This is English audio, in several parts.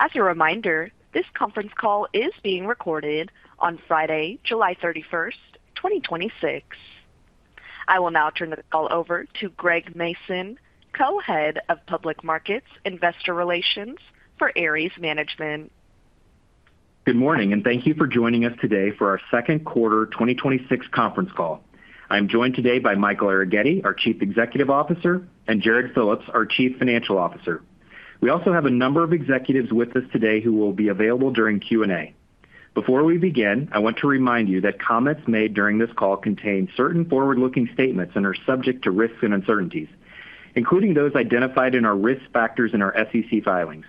As a reminder, this conference call is being recorded on Friday, July 31st, 2026. I will now turn the call over to Greg Mason, Co-Head of Public Markets Investor Relations for Ares Management. Good morning. Thank you for joining us today for our second quarter 2026 conference call. I am joined today by Michael Arougheti, our Chief Executive Officer, and Jarrod Phillips, our Chief Financial Officer. We also have a number of executives with us today who will be available during Q&A. Before we begin, I want to remind you that comments made during this call contain certain forward-looking statements and are subject to risks and uncertainties, including those identified in our risk factors in our SEC filings.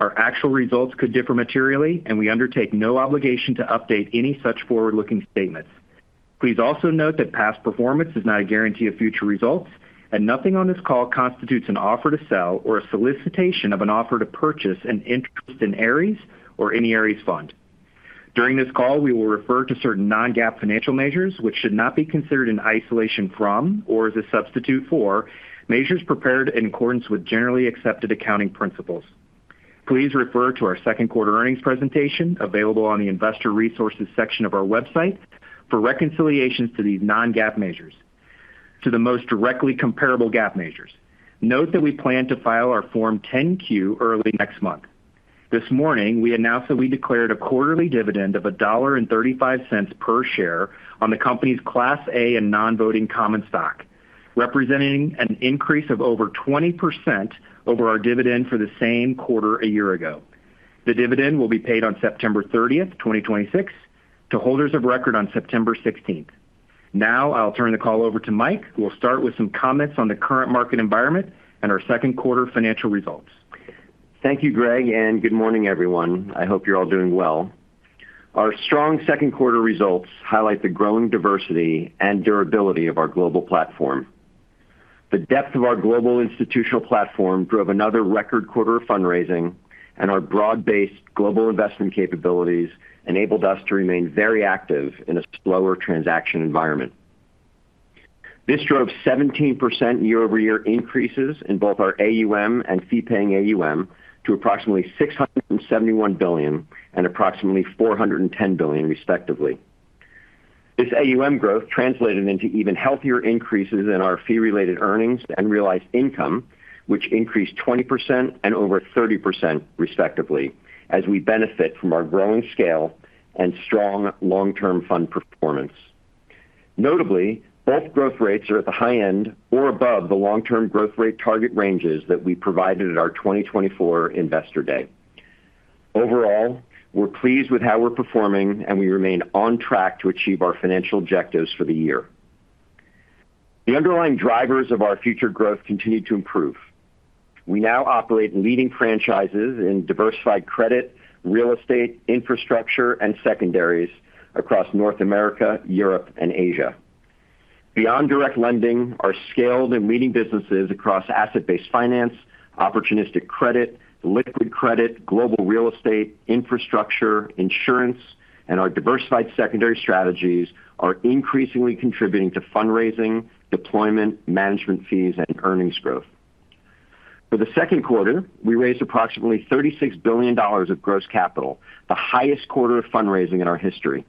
Our actual results could differ materially, and we undertake no obligation to update any such forward-looking statements. Please also note that past performance is not a guarantee of future results, and nothing on this call constitutes an offer to sell or a solicitation of an offer to purchase an interest in Ares or any Ares fund. During this call, we will refer to certain non-GAAP financial measures, which should not be considered in isolation from, or as a substitute for, measures prepared in accordance with generally accepted accounting principles. Please refer to our second quarter earnings presentation, available on the investor resources section of our website, for reconciliations to these non-GAAP measures to the most directly comparable GAAP measures. Note that we plan to file our Form 10-Q early next month. This morning, we announced that we declared a quarterly dividend of $1.35 per share on the company's Class A and non-voting common stock, representing an increase of over 20% over our dividend for the same quarter a year ago. The dividend will be paid on September 30th, 2026, to holders of record on September 16th. I will turn the call over to Mike, who will start with some comments on the current market environment and our second quarter financial results. Thank you, Greg, and good morning, everyone. I hope you're all doing well. Our strong second quarter results highlight the growing diversity and durability of our global platform. The depth of our global institutional platform drove another record quarter of fundraising, and our broad-based global investment capabilities enabled us to remain very active in a slower transaction environment. This drove 17% year-over-year increases in both our AUM and fee-paying AUM to approximately $671 billion and approximately $410 billion respectively. This AUM growth translated into even healthier increases in our fee-related earnings and realized income, which increased 20% and over 30% respectively, as we benefit from our growing scale and strong long-term fund performance. Notably, both growth rates are at the high end or above the long-term growth rate target ranges that we provided at our 2024 Investor Day. Overall, we're pleased with how we're performing. We remain on track to achieve our financial objectives for the year. The underlying drivers of our future growth continue to improve. We now operate leading franchises in diversified credit, real estate, infrastructure, and secondaries across North America, Europe, and Asia. Beyond direct lending are scaled and leading businesses across asset-based finance, opportunistic credit, liquid credit, global real estate, infrastructure, insurance, and our diversified secondary strategies are increasingly contributing to fundraising, deployment, management fees, and earnings growth. For the second quarter, we raised approximately $36 billion of gross capital, the highest quarter of fundraising in our history.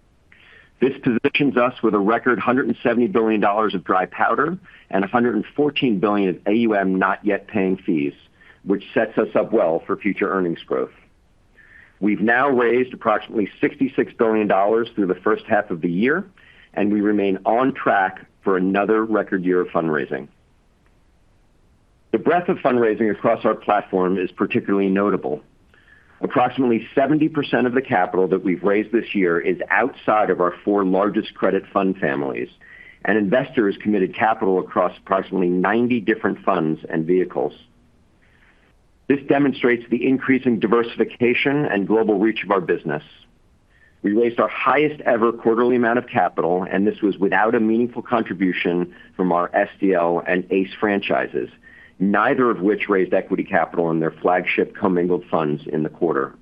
This positions us with a record $170 billion of dry powder and $114 billion of AUM not yet paying fees, which sets us up well for future earnings growth. We've now raised approximately $66 billion through the H1 of the year. We remain on track for another record year of fundraising. The breadth of fundraising across our platform is particularly notable. Approximately 70% of the capital that we've raised this year is outside of our four largest credit fund families, and investors committed capital across approximately 90 different funds and vehicles. This demonstrates the increasing diversification and global reach of our business. We raised our highest ever quarterly amount of capital. This was without a meaningful contribution from our SDL and ACE franchises, neither of which raised equity capital in their flagship commingled funds in the quarter.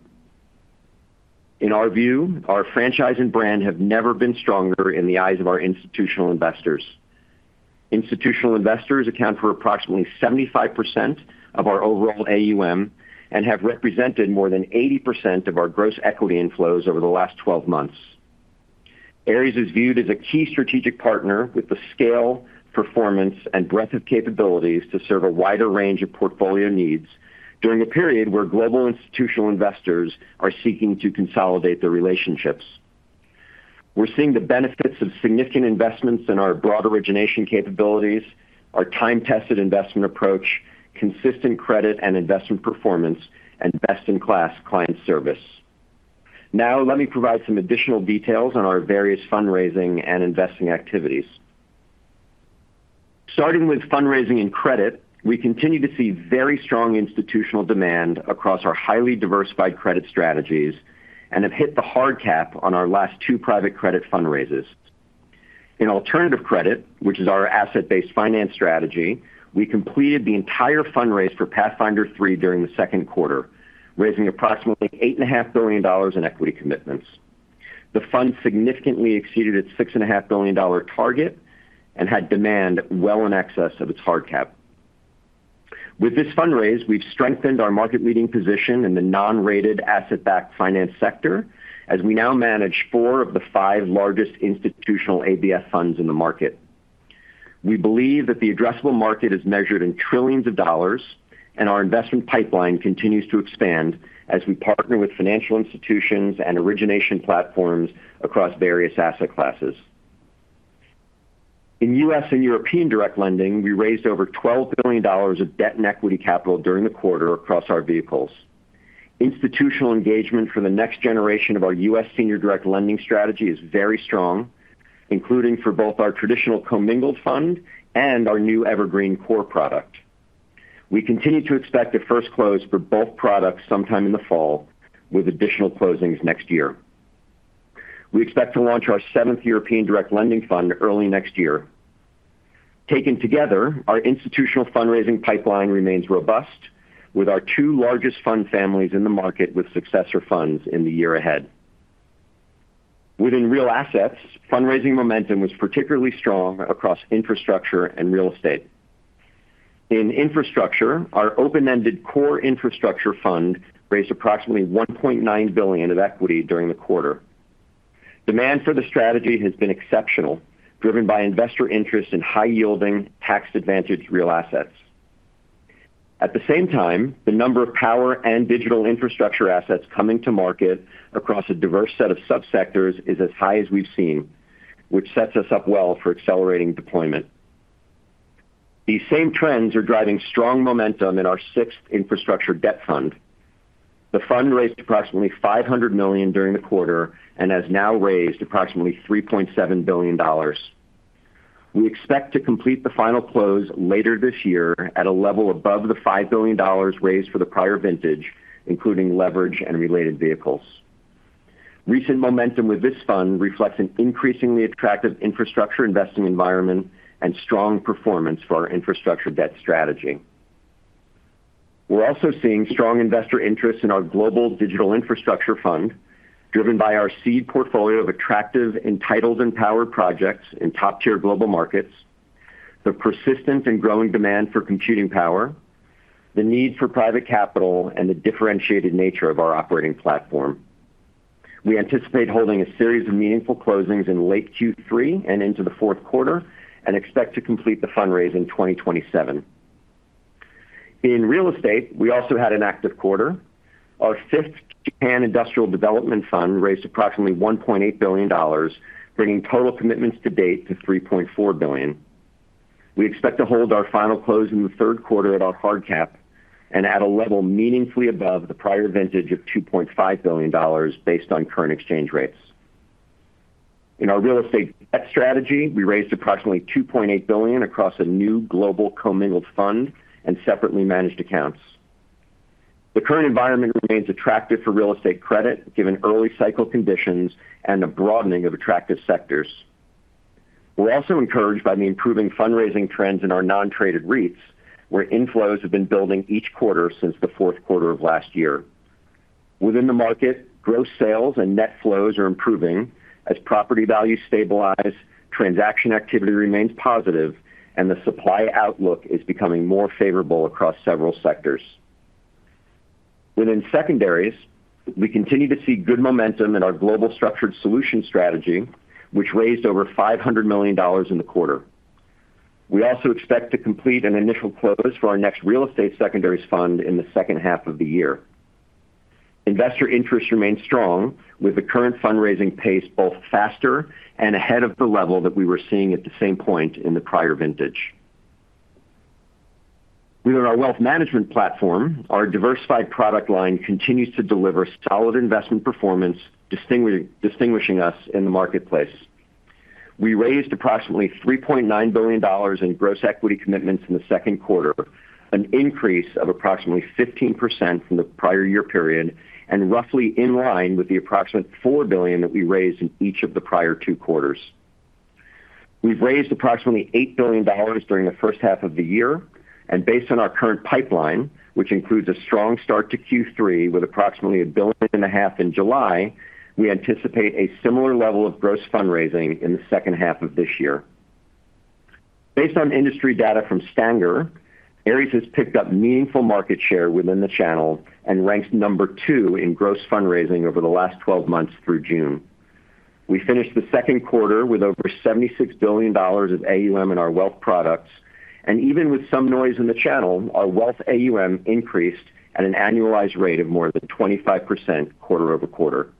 In our view, our franchise and brand have never been stronger in the eyes of our institutional investors. Institutional investors account for approximately 75% of our overall AUM and have represented more than 80% of our gross equity inflows over the last 12 months. Ares is viewed as a key strategic partner with the scale, performance, and breadth of capabilities to serve a wider range of portfolio needs during a period where global institutional investors are seeking to consolidate their relationships. We're seeing the benefits of significant investments in our broad origination capabilities, our time-tested investment approach, consistent credit and investment performance, and best-in-class client service. Let me provide some additional details on our various fundraising and investing activities. Starting with fundraising and credit, we continue to see very strong institutional demand across our highly diversified credit strategies and have hit the hard cap on our last two private credit fundraisers. In alternative credit, which is our asset-based finance strategy, we completed the entire fundraise for Ares Pathfinder Fund III during the second quarter, raising approximately $8.5 billion in equity commitments. The fund significantly exceeded its $6.5 billion target and had demand well in excess of its hard cap. With this fundraise, we've strengthened our market-leading position in the non-rated asset-backed finance sector as we now manage four of the five largest institutional ABS funds in the market. We believe that the addressable market is measured in trillions of dollars, and our investment pipeline continues to expand as we partner with financial institutions and origination platforms across various asset classes. In U.S. and European direct lending, we raised over $12 billion of debt and equity capital during the quarter across our vehicles. Institutional engagement for the next generation of our U.S. senior direct lending strategy is very strong, including for both our traditional commingled fund and our new evergreen core product. We continue to expect a first close for both products sometime in the fall with additional closings next year. We expect to launch our seventh European direct lending fund early next year. Taken together, our institutional fundraising pipeline remains robust with our two largest fund families in the market with successor funds in the year ahead. Within real assets, fundraising momentum was particularly strong across infrastructure and real estate. In infrastructure, our open-ended core infrastructure fund raised approximately $1.9 billion of equity during the quarter. Demand for the strategy has been exceptional, driven by investor interest in high-yielding, tax-advantaged real assets. At the same time, the number of power and digital infrastructure assets coming to market across a diverse set of sub-sectors is as high as we've seen, which sets us up well for accelerating deployment. These same trends are driving strong momentum in our sixth infrastructure debt fund. The fund raised approximately $500 million during the quarter and has now raised approximately $3.7 billion. We expect to complete the final close later this year at a level above the $5 billion raised for the prior vintage, including leverage and related vehicles. Recent momentum with this fund reflects an increasingly attractive infrastructure investing environment and strong performance for our infrastructure debt strategy. We're also seeing strong investor interest in our global digital infrastructure fund, driven by our seed portfolio of attractive entitled and powered projects in top-tier global markets, the persistent and growing demand for computing power, the need for private capital, and the differentiated nature of our operating platform. We anticipate holding a series of meaningful closings in late Q3 and into the fourth quarter and expect to complete the fundraise in 2027. In real estate, we also had an active quarter. Our fifth Japan industrial development fund raised approximately $1.8 billion, bringing total commitments to date to $3.4 billion. We expect to hold our final close in the third quarter at our hard cap and at a level meaningfully above the prior vintage of $2.5 billion based on current exchange rates. In our real estate debt strategy, we raised approximately $2.8 billion across a new global commingled fund and separately managed accounts. The current environment remains attractive for real estate credit, given early cycle conditions and a broadening of attractive sectors. We're also encouraged by the improving fundraising trends in our non-traded REITs, where inflows have been building each quarter since the fourth quarter of last year. Within the market, gross sales and net flows are improving. As property values stabilize, transaction activity remains positive, and the supply outlook is becoming more favorable across several sectors. Within secondaries, we continue to see good momentum in our global structured solutions strategy, which raised over $500 million in the quarter. We also expect to complete an initial close for our next real estate secondaries fund in the H2 of the year. Investor interest remains strong, with the current fundraising pace both faster and ahead of the level that we were seeing at the same point in the prior vintage. Within our wealth management platform, our diversified product line continues to deliver solid investment performance, distinguishing us in the marketplace. We raised approximately $3.9 billion in gross equity commitments in the second quarter, an increase of approximately 15% from the prior year period, and roughly in line with the approximate $4 billion that we raised in each of the prior two quarters. We've raised approximately $8 billion during the H1 of the year, and based on our current pipeline, which includes a strong start to Q3 with approximately $1.5 billion in July, we anticipate a similar level of gross fundraising in the H2 of this year. Based on industry data from Stanger, Ares has picked up meaningful market share within the channel and ranks number two in gross fundraising over the last 12 months through June. We finished the second quarter with over $76 billion of AUM in our wealth products, and even with some noise in the channel, our wealth AUM increased at an annualized rate of more than 25% quarter-over-quarter.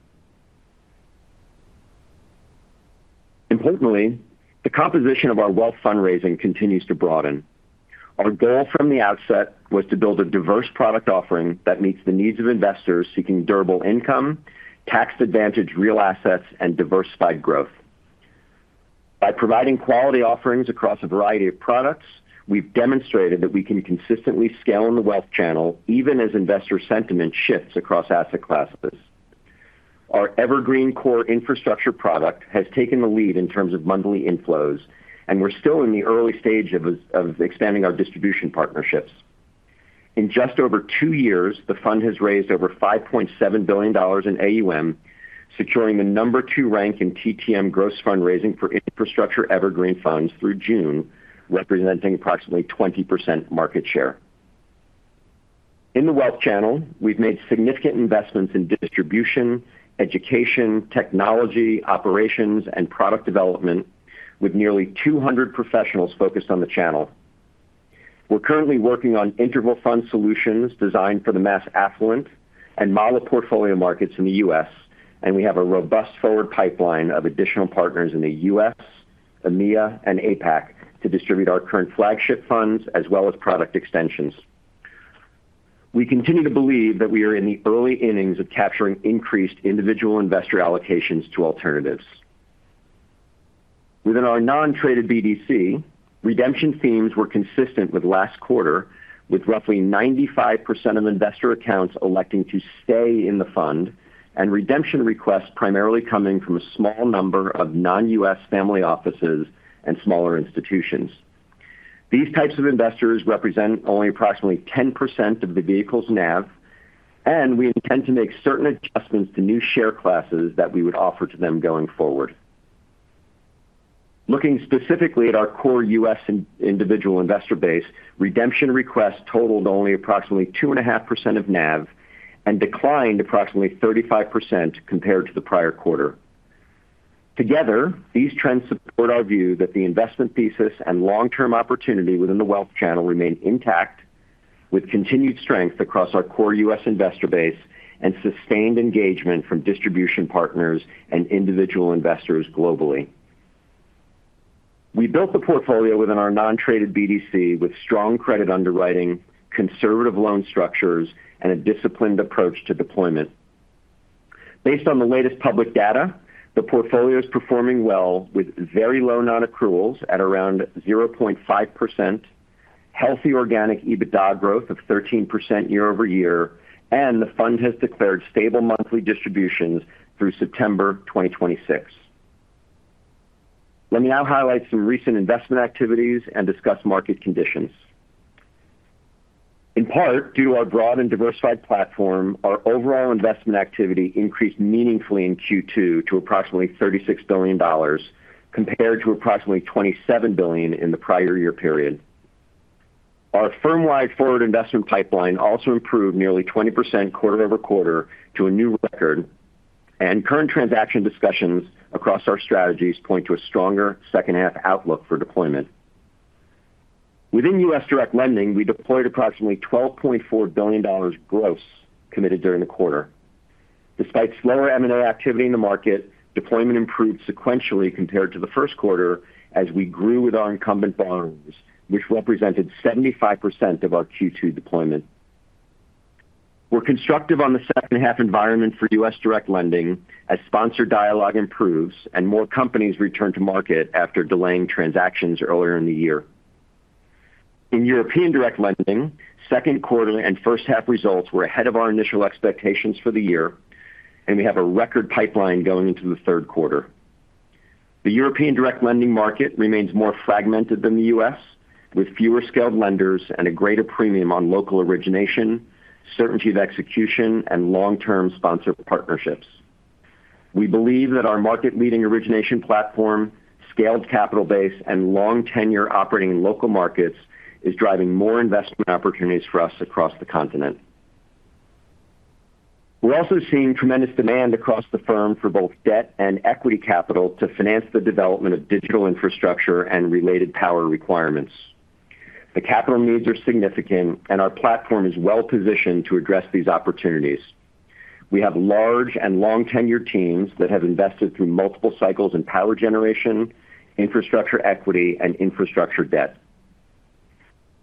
Importantly, the composition of our wealth fundraising continues to broaden. Our goal from the outset was to build a diverse product offering that meets the needs of investors seeking durable income, tax-advantaged real assets, and diversified growth. By providing quality offerings across a variety of products, we've demonstrated that we can consistently scale in the wealth channel, even as investor sentiment shifts across asset classes. Our evergreen core infrastructure product has taken the lead in terms of monthly inflows, and we're still in the early stage of expanding our distribution partnerships. In just over two years, the fund has raised over $5.7 billion in AUM, securing the number two rank in TTM gross fundraising for infrastructure evergreen funds through June, representing approximately 20% market share. In the wealth channel, we've made significant investments in distribution, education, technology, operations, and product development with nearly 200 professionals focused on the channel. We're currently working on interval fund solutions designed for the mass affluent and model portfolio markets in the U.S., and we have a robust forward pipeline of additional partners in the U.S., EMEA, and APAC to distribute our current flagship funds as well as product extensions. We continue to believe that we are in the early innings of capturing increased individual investor allocations to alternatives. Within our non-traded BDC, redemption themes were consistent with last quarter, with roughly 95% of investor accounts electing to stay in the fund, and redemption requests primarily coming from a small number of non-U.S. family offices and smaller institutions. These types of investors represent only approximately 10% of the vehicle's NAV, and we intend to make certain adjustments to new share classes that we would offer to them going forward. Looking specifically at our core U.S. individual investor base, redemption requests totaled only approximately 2.5% of NAV and declined approximately 35% compared to the prior quarter. Together, these trends support our view that the investment thesis and long-term opportunity within the wealth channel remain intact, with continued strength across our core U.S. investor base and sustained engagement from distribution partners and individual investors globally. We built the portfolio within our non-traded BDC with strong credit underwriting, conservative loan structures, and a disciplined approach to deployment. Based on the latest public data, the portfolio is performing well with very low non-accruals at around 0.5%, healthy organic EBITDA growth of 13% year-over-year, and the fund has declared stable monthly distributions through September 2026. Let me now highlight some recent investment activities and discuss market conditions. In part, due to our broad and diversified platform, our overall investment activity increased meaningfully in Q2 to approximately $36 billion compared to approximately $27 billion in the prior year period. Our firm-wide forward investment pipeline also improved nearly 20% quarter-over-quarter to a new record, and current transaction discussions across our strategies point to a stronger H2 outlook for deployment. Within U.S. direct lending, we deployed approximately $12.4 billion gross committed during the quarter. Despite slower M&A activity in the market, deployment improved sequentially compared to the first quarter as we grew with our incumbent borrowers, which represented 75% of our Q2 deployment. We're constructive on the H2 environment for U.S. direct lending as sponsor dialogue improves and more companies return to market after delaying transactions earlier in the year. In European direct lending, second quarter and H1 results were ahead of our initial expectations for the year, and we have a record pipeline going into the third quarter. The European direct lending market remains more fragmented than the U.S., with fewer scaled lenders and a greater premium on local origination, certainty of execution, and long-term sponsor partnerships. We believe that our market-leading origination platform, scaled capital base, and long tenure operating in local markets is driving more investment opportunities for us across the continent. We're also seeing tremendous demand across the firm for both debt and equity capital to finance the development of digital infrastructure and related power requirements. The capital needs are significant, and our platform is well positioned to address these opportunities. We have large and long tenure teams that have invested through multiple cycles in power generation, infrastructure equity, and infrastructure debt.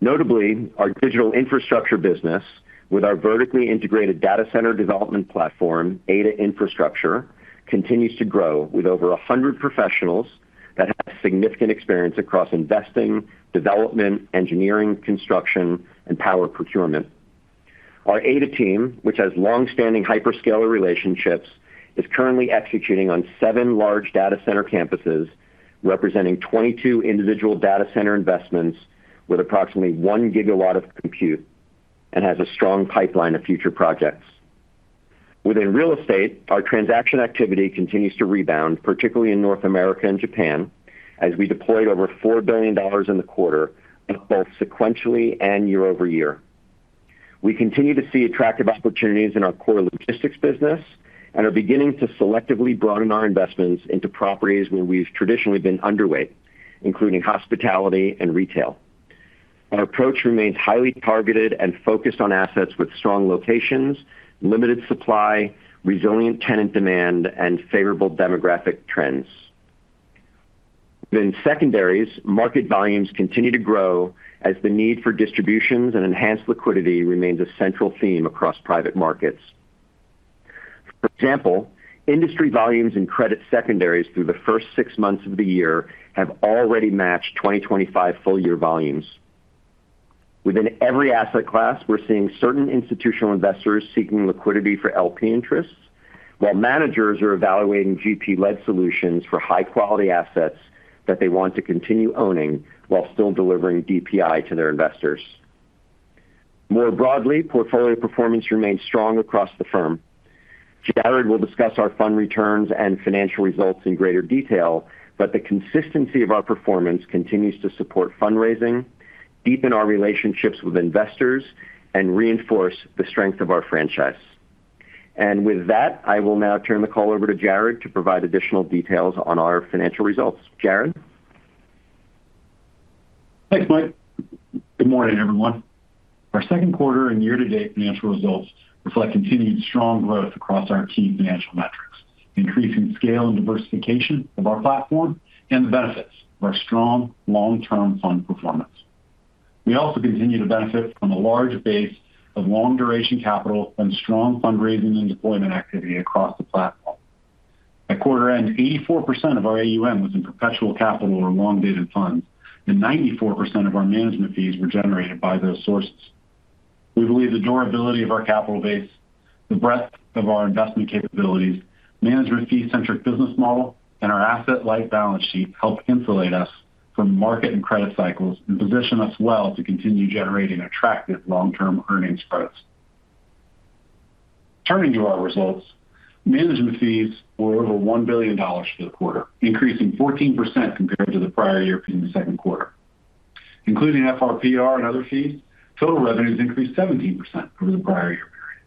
Notably, our digital infrastructure business, with our vertically integrated data center development platform, Ada Infrastructure, continues to grow with over 100 professionals that have significant experience across investing, development, engineering, construction, and power procurement. Our Ada team, which has long-standing hyperscaler relationships, is currently executing on seven large data center campuses, representing 22 individual data center investments with approximately 1 GW of compute and has a strong pipeline of future projects. Within real estate, our transaction activity continues to rebound, particularly in North America and Japan, as we deployed over $4 billion in the quarter both sequentially and year-over-year. We continue to see attractive opportunities in our core logistics business and are beginning to selectively broaden our investments into properties where we've traditionally been underweight, including hospitality and retail. Our approach remains highly targeted and focused on assets with strong locations, limited supply, resilient tenant demand, and favorable demographic trends. Within secondaries, market volumes continue to grow as the need for distributions and enhanced liquidity remains a central theme across private markets. For example, industry volumes in credit secondaries through the first six months of the year have already matched 2025 full year volumes. Within every asset class, we're seeing certain institutional investors seeking liquidity for LP interests, while managers are evaluating GP-led solutions for high-quality assets that they want to continue owning while still delivering DPI to their investors. More broadly, portfolio performance remains strong across the firm. Jarrod will discuss our fund returns and financial results in greater detail, but the consistency of our performance continues to support fundraising, deepen our relationships with investors, and reinforce the strength of our franchise. With that, I will now turn the call over to Jarrod to provide additional details on our financial results. Jarrod? Thanks, Mike. Good morning, everyone. Our second quarter and year-to-date financial results reflect continued strong growth across our key financial metrics, increasing scale and diversification of our platform, and the benefits of our strong long-term fund performance. We also continue to benefit from a large base of long-duration capital and strong fundraising and deployment activity across the platform. At quarter end, 84% of our AUM was in perpetual capital or long-dated funds, and 94% of our management fees were generated by those sources. We believe the durability of our capital base, the breadth of our investment capabilities, management fee-centric business model, and our asset-light balance sheet help insulate us from market and credit cycles and position us well to continue generating attractive long-term earnings growth. Turning to our results, management fees were over $1 billion for the quarter, increasing 14% compared to the prior year second quarter. Including FRPR and other fees, total revenues increased 17% over the prior year period.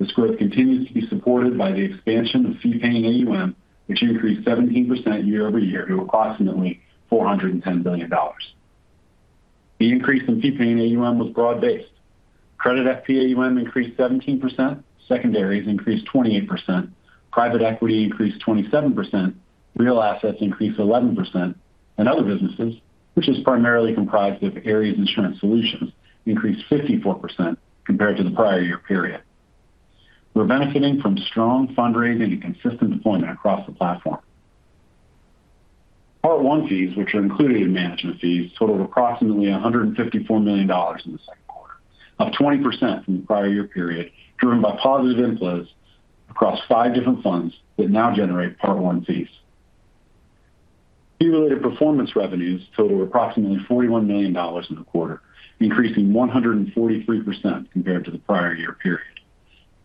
This growth continues to be supported by the expansion of fee-paying AUM, which increased 17% year-over-year to approximately $410 billion. The increase in fee-paying AUM was broad-based. Credit FP AUM increased 17%, secondaries increased 28%, private equity increased 27%, real assets increased 11%, and other businesses, which is primarily comprised of Ares Insurance Solutions, increased 54% compared to the prior year period. We're benefiting from strong fundraising and consistent deployment across the platform. Part 1 fees, which are included in management fees, totaled approximately $154 million in the second quarter, up 20% from the prior year period, driven by positive inflows across five different funds that now generate Part 1 fees. Fee-related performance revenues totaled approximately $41 million in the quarter, increasing 143% compared to the prior year period.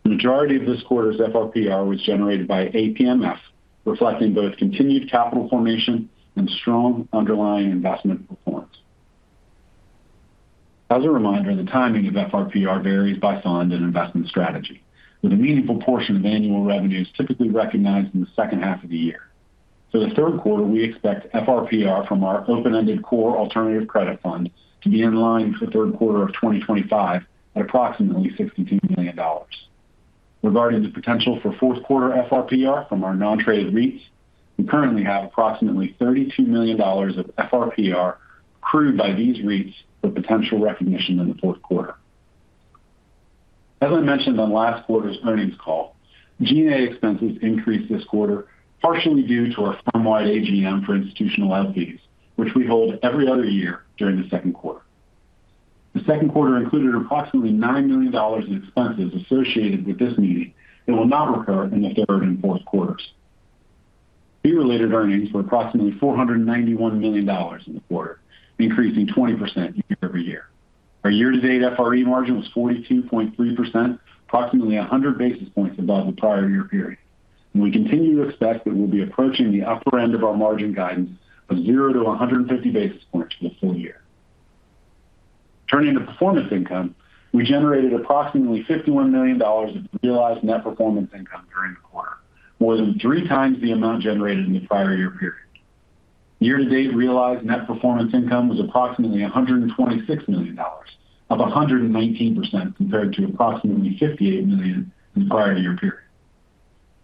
The majority of this quarter's FRPR was generated by APMF, reflecting both continued capital formation and strong underlying investment performance. As a reminder, the timing of FRPR varies by fund and investment strategy, with a meaningful portion of annual revenues typically recognized in the H2 of the year. For the third quarter, we expect FRPR from our open-ended core alternative credit fund to be in line with the third quarter of 2025 at approximately $62 million. Regarding the potential for fourth quarter FRPR from our non-traded REITs, we currently have approximately $32 million of FRPR accrued by these REITs for potential recognition in the fourth quarter. As I mentioned on last quarter's earnings call, G&A expenses increased this quarter partially due to our firm-wide AGM for institutional LPs, which we hold every other year during the second quarter. The second quarter included approximately $9 million in expenses associated with this meeting that will not recur in the third and fourth quarters. Fee-related earnings were approximately $491 million in the quarter, increasing 20% year-over-year. Our year-to-date FRE margin was 42.3%, approximately 100 basis points above the prior year period. We continue to expect that we'll be approaching the upper end of our margin guidance of zero to 150 basis points for the full year. Turning to performance income, we generated approximately $51 million of realized net performance income during the quarter, more than three times the amount generated in the prior year period. Year-to-date, realized net performance income was approximately $126 million, up 119% compared to approximately $58 million in the prior year period.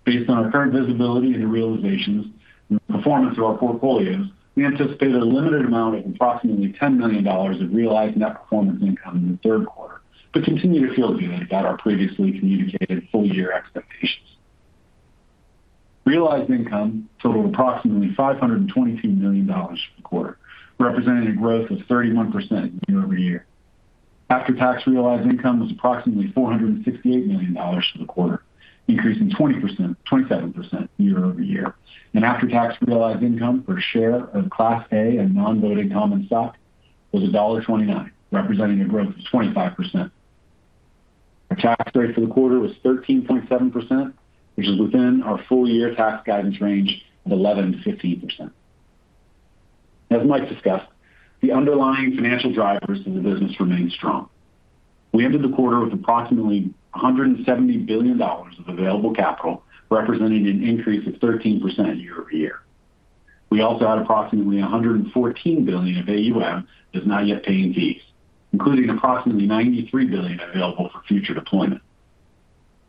Based on our current visibility into realizations and the performance of our portfolios, we anticipate a limited amount of approximately $10 million of realized net performance income in the third quarter, but continue to feel good about our previously communicated full-year expectations. Realized income totaled approximately $522 million for the quarter, representing a growth of 31% year-over-year. After-tax realized income was approximately $468 million for the quarter, increasing 27% year-over-year. After-tax realized income per share of Class A and non-voting common stock was $1.29, representing a growth of 25%. Our tax rate for the quarter was 13.7%, which is within our full-year tax guidance range of 11%-15%. As Mike discussed, the underlying financial drivers in the business remain strong. We ended the quarter with approximately $170 billion of available capital, representing an increase of 13% year-over-year. We also had approximately $114 billion of AUM that is not yet paying fees, including approximately $93 billion available for future deployment.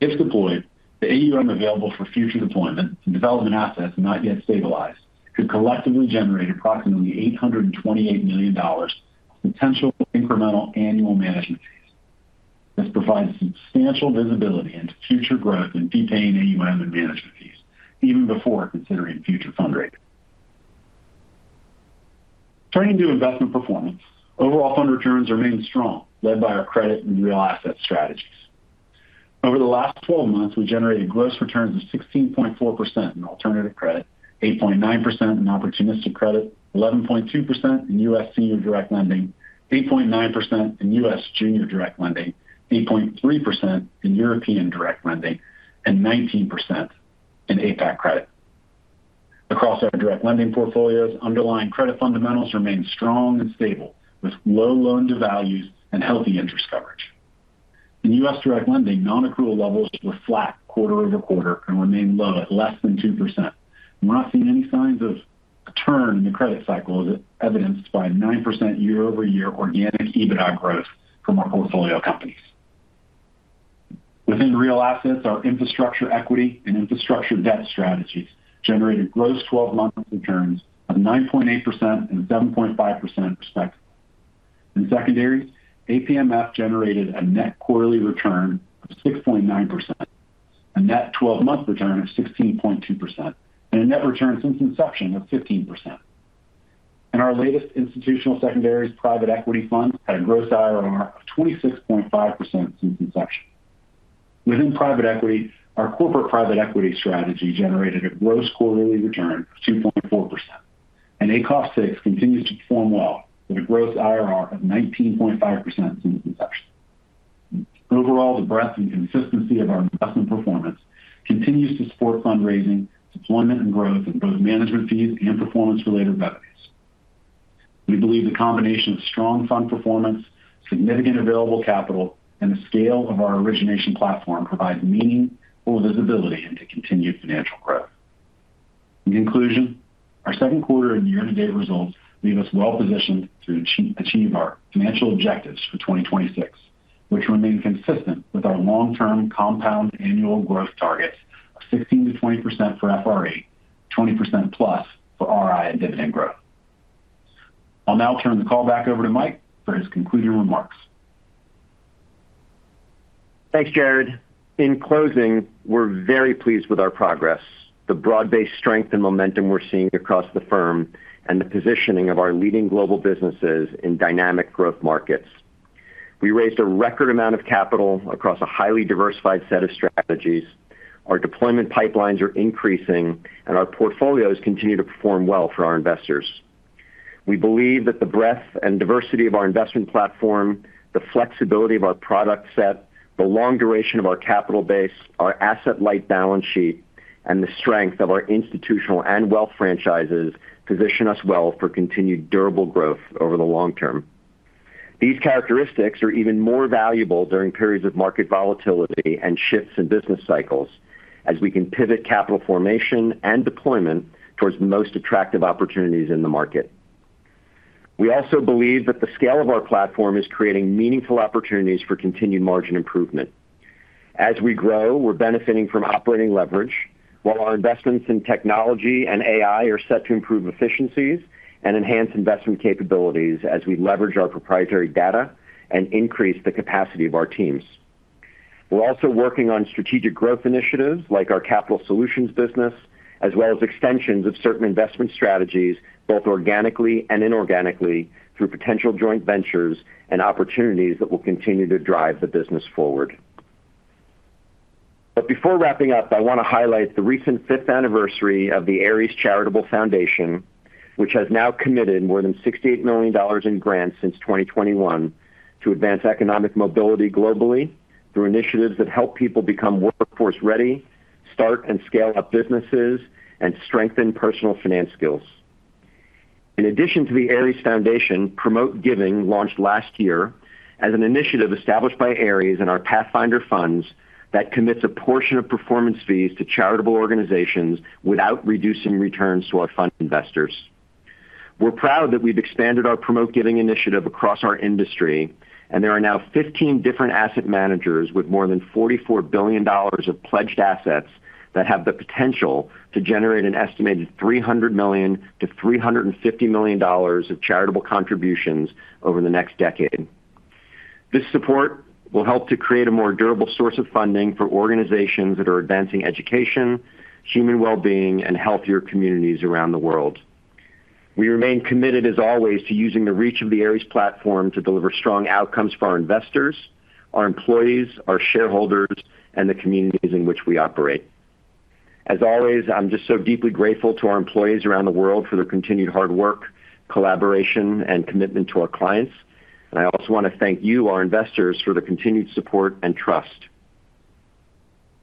If deployed, the AUM available for future deployment and development assets not yet stabilized could collectively generate approximately $828 million of potential incremental annual management fees. This provides substantial visibility into future growth in fee-paying AUM and management fees, even before considering future fundraising. Turning to investment performance, overall fund returns remain strong, led by our credit and real asset strategies. Over the last 12 months, we generated gross returns of 16.4% in alternative credit, 8.9% in opportunistic credit, 11.2% in U.S. senior direct lending, 8.9% in U.S. junior direct lending, 8.3% in European direct lending, and 19% in APAC credit. Across our direct lending portfolios, underlying credit fundamentals remain strong and stable, with low loan-to-values and healthy interest coverage. In U.S. direct lending, non-accrual levels were flat quarter-over-quarter and remain low at less than 2%. We're not seeing any signs of a turn in the credit cycle, evidenced by 9% year-over-year organic EBITDA growth from our portfolio companies. Within real assets, our infrastructure equity and infrastructure debt strategies generated gross 12-month returns of 9.8% and 7.5%, respectively. In secondaries, APMF generated a net quarterly return of 6.9%, a net 12-month return of 16.2%, and a net return since inception of 15%. In our latest institutional secondaries private equity fund, had a gross IRR of 26.5% since inception. Within private equity, our corporate private equity strategy generated a gross quarterly return of 2.4%, and ACOF VI continues to perform well with a gross IRR of 19.5% since inception. Overall, the breadth and consistency of our investment performance continues to support fundraising, deployment, and growth in both management fees and performance-related revenues. We believe the combination of strong fund performance, significant available capital, and the scale of our origination platform provide meaningful visibility into continued financial growth. In conclusion, our second quarter and year-to-date results leave us well positioned to achieve our financial objectives for 2026, which remain consistent with our long-term compound annual growth targets of 16%-20% for FRE, 20%+ for RI and dividend growth. I'll now turn the call back over to Mike for his concluding remarks. Thanks, Jarrod. In closing, we're very pleased with our progress, the broad-based strength and momentum we're seeing across the firm, and the positioning of our leading global businesses in dynamic growth markets. We raised a record amount of capital across a highly diversified set of strategies. Our deployment pipelines are increasing, and our portfolios continue to perform well for our investors. We believe that the breadth and diversity of our investment platform, the flexibility of our product set, the long duration of our capital base, our asset-light balance sheet, and the strength of our institutional and wealth franchises position us well for continued durable growth over the long term. These characteristics are even more valuable during periods of market volatility and shifts in business cycles, as we can pivot capital formation and deployment towards the most attractive opportunities in the market. We also believe that the scale of our platform is creating meaningful opportunities for continued margin improvement. As we grow, we're benefiting from operating leverage, while our investments in technology and AI are set to improve efficiencies and enhance investment capabilities as we leverage our proprietary data and increase the capacity of our teams. We're also working on strategic growth initiatives like our capital solutions business, as well as extensions of certain investment strategies, both organically and inorganically, through potential joint ventures and opportunities that will continue to drive the business forward. Before wrapping up, I want to highlight the recent fifth anniversary of the Ares Charitable Foundation, which has now committed more than $68 million in grants since 2021 to advance economic mobility globally through initiatives that help people become workforce ready, start and scale up businesses, and strengthen personal finance skills. In addition to the Ares Charitable Foundation, Promote Giving launched last year as an initiative established by Ares and our pathfinder funds that commits a portion of performance fees to charitable organizations without reducing returns to our fund investors. We are proud that we have expanded our Promote Giving initiative across our industry, and there are now 15 different asset managers with more than $44 billion of pledged assets that have the potential to generate an estimated $300 million-$350 million of charitable contributions over the next decade. This support will help to create a more durable source of funding for organizations that are advancing education, human wellbeing, and healthier communities around the world. We remain committed, as always, to using the reach of the Ares platform to deliver strong outcomes for our investors, our employees, our shareholders, and the communities in which we operate. As always, I am just so deeply grateful to our employees around the world for their continued hard work, collaboration, and commitment to our clients. I also want to thank you, our investors, for the continued support and trust.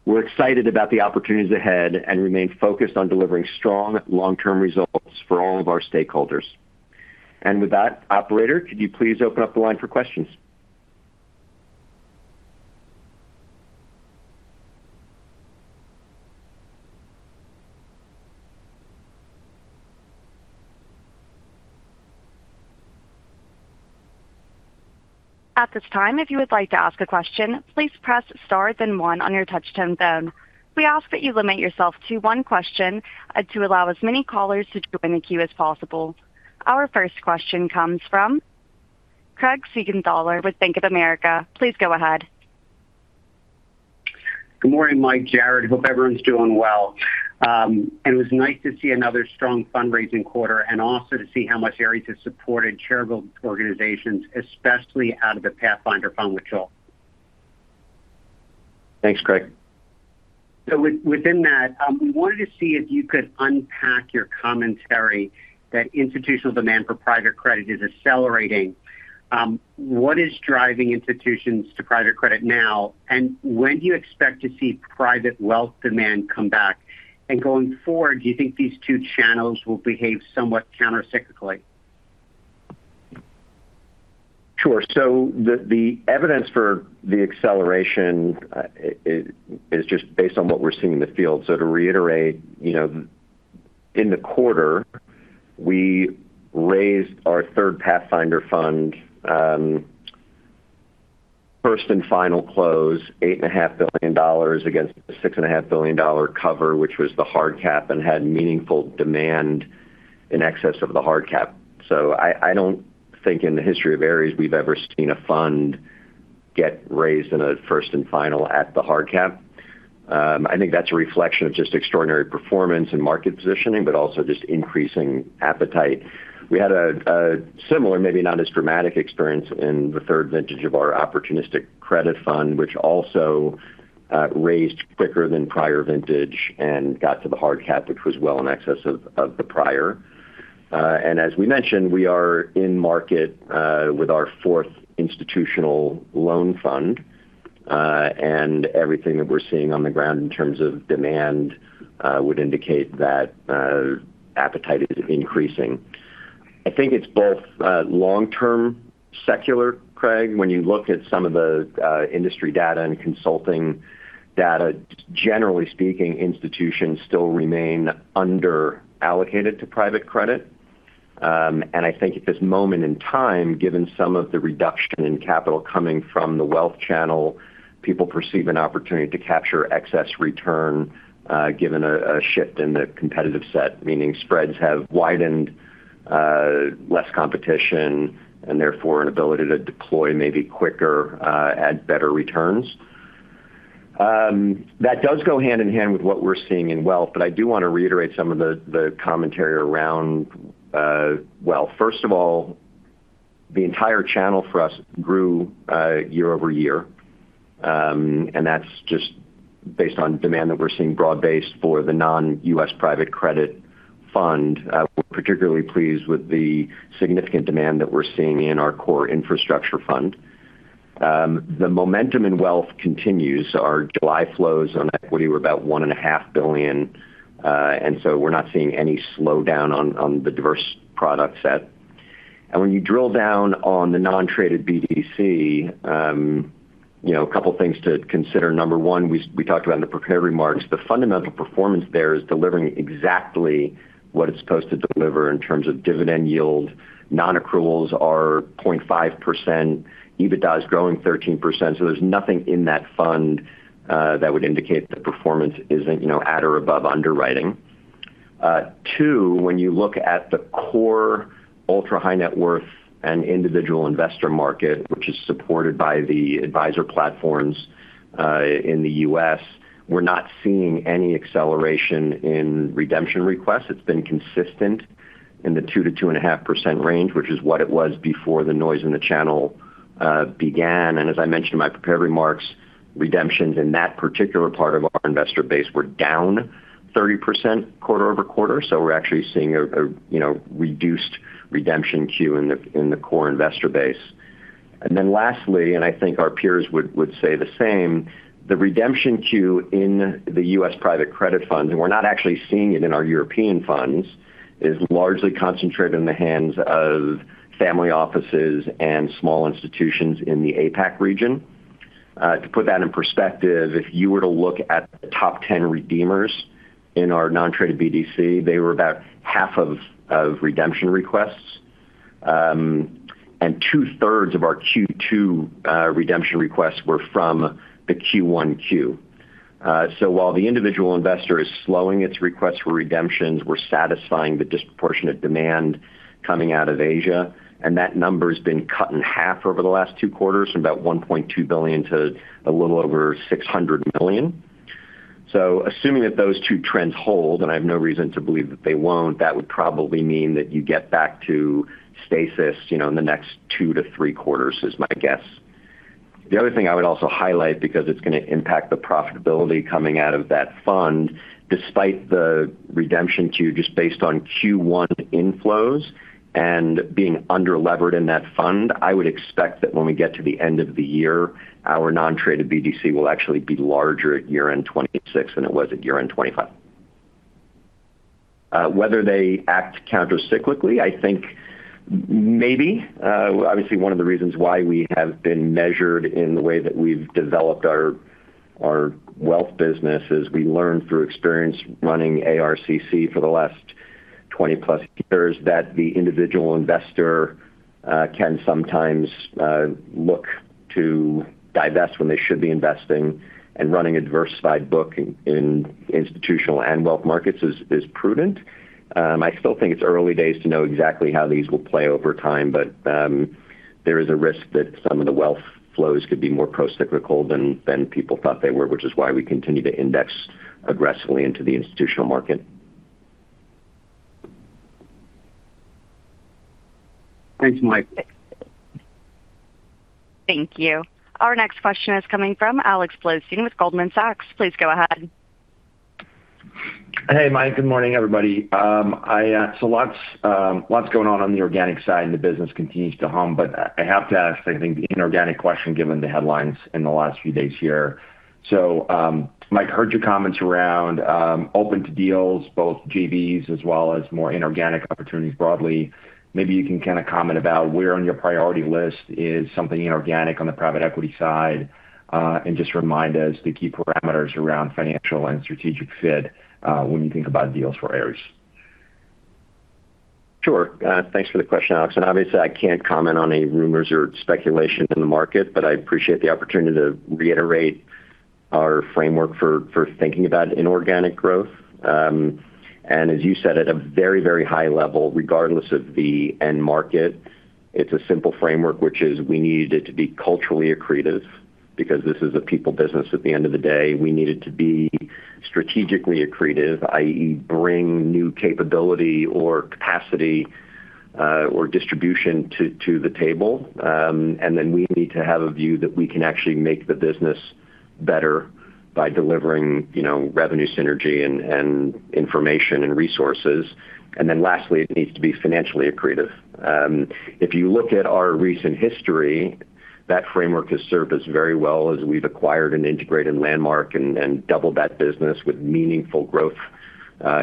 We are excited about the opportunities ahead and remain focused on delivering strong long-term results for all of our stakeholders. With that, operator, could you please open up the line for questions? At this time, if you would like to ask a question, please press star then one on your touchtone phone. We ask that you limit yourself to one question to allow as many callers to join the queue as possible. Our first question comes from Craig Siegenthaler with Bank of America. Please go ahead. Good morning, Mike, Jarrod. I hope everyone is doing well. It was nice to see another strong fundraising quarter, and also to see how much Ares has supported charitable organizations, especially out of the Ares Pathfinder Fund III, which all. Thanks, Craig. Within that, we wanted to see if you could unpack your commentary that institutional demand for private credit is accelerating. What is driving institutions to private credit now, and when do you expect to see private wealth demand come back? Going forward, do you think these two channels will behave somewhat countercyclically? Sure. The evidence for the acceleration is just based on what we're seeing in the field. To reiterate, in the quarter, we raised our third Pathfinder Fund, first and final close, $8.5 billion against a $6.5 billion cover, which was the hard cap, and had meaningful demand in excess of the hard cap. I don't think in the history of Ares we've ever seen a fund get raised in a first and final at the hard cap. I think that's a reflection of just extraordinary performance and market positioning, but also just increasing appetite. We had a similar, maybe not as dramatic experience in the third vintage of our opportunistic credit fund, which also raised quicker than prior vintage and got to the hard cap, which was well in excess of the prior. As we mentioned, we are in market with our fourth institutional loan fund. Everything that we're seeing on the ground in terms of demand would indicate that appetite is increasing. I think it's both long-term secular, Craig. When you look at some of the industry data and consulting data, generally speaking, institutions still remain under-allocated to private credit. I think at this moment in time, given some of the reduction in capital coming from the wealth channel, people perceive an opportunity to capture excess return given a shift in the competitive set, meaning spreads have widened, less competition, and therefore an ability to deploy maybe quicker at better returns. That does go hand-in-hand with what we're seeing in wealth. I do want to reiterate some of the commentary around wealth. First of all, the entire channel for us grew year-over-year. That's just based on demand that we're seeing broad-based for the non-U.S. private credit fund. We're particularly pleased with the significant demand that we're seeing in our core infrastructure fund. The momentum in wealth continues. Our July flows on equity were about $1.5 billion. So we're not seeing any slowdown on the diverse product set. When you drill down on the non-traded BDC, a couple of things to consider. Number one, we talked about in the prepared remarks, the fundamental performance there is delivering exactly what it's supposed to deliver in terms of dividend yield. Non-accruals are 0.5%. EBITDA is growing 13%, so there's nothing in that fund that would indicate the performance isn't at or above underwriting. Two, when you look at the core ultra high net worth and individual investor market, which is supported by the advisor platforms in the U.S., we're not seeing any acceleration in redemption requests. It's been consistent in the 2%-2.5% range, which is what it was before the noise in the channel began. As I mentioned in my prepared remarks, redemptions in that particular part of our investor base were down 30% quarter-over-quarter. We're actually seeing a reduced redemption queue in the core investor base. Then lastly, and I think our peers would say the same, the redemption queue in the U.S. private credit funds, and we're not actually seeing it in our European funds, is largely concentrated in the hands of family offices and small institutions in the APAC region. To put that in perspective, if you were to look at the top 10 redeemers in our non-traded BDC, they were about half of redemption requests. Two-thirds of our Q2 redemption requests were from the Q1 queue. While the individual investor is slowing its requests for redemptions, we're satisfying the disproportionate demand coming out of Asia, and that number has been cut in half over the last two quarters, from about $1.2 billion to a little over $600 million. Assuming that those two trends hold, and I have no reason to believe that they won't, that would probably mean that you get back to stasis in the next two to three quarters, is my guess. The other thing I would also highlight, because it's going to impact the profitability coming out of that fund, despite the redemption queue, just based on Q1 inflows and being under-levered in that fund, I would expect that when we get to the end of the year, our non-traded BDC will actually be larger at year-end 2026 than it was at year-end 2025. Whether they act countercyclically, I think maybe. Obviously, one of the reasons why we have been measured in the way that we've developed our wealth business is we learned through experience running ARCC for the last 20+ years, that the individual investor can sometimes look to divest when they should be investing, and running a diversified book in institutional and wealth markets is prudent. I still think it's early days to know exactly how these will play over time. There is a risk that some of the wealth flows could be more procyclical than people thought they were, which is why we continue to index aggressively into the institutional market. Thanks, Mike. Thank you. Our next question is coming from Alex Blostein with Goldman Sachs. Please go ahead. Hey, Mike. Good morning, everybody. Lots going on the organic side, and the business continues to hum. I have to ask, I think, the inorganic question, given the headlines in the last few days here. Mike, heard your comments around open to deals, both JVs as well as more inorganic opportunities broadly. Maybe you can comment about where on your priority list is something inorganic on the private equity side, and just remind us the key parameters around financial and strategic fit when you think about deals for Ares. Sure. Thanks for the question, Alex. Obviously I can't comment on any rumors or speculation in the market, but I appreciate the opportunity to reiterate our framework for thinking about inorganic growth. As you said, at a very high level, regardless of the end market, it's a simple framework, which is we need it to be culturally accretive because this is a people business at the end of the day. We need it to be strategically accretive, i.e., bring new capability or capacity, or distribution to the table. We need to have a view that we can actually make the business better by delivering revenue synergy, and information and resources. Lastly, it needs to be financially accretive. If you look at our recent history, that framework has served us very well as we've acquired and integrated Landmark and doubled that business with meaningful growth.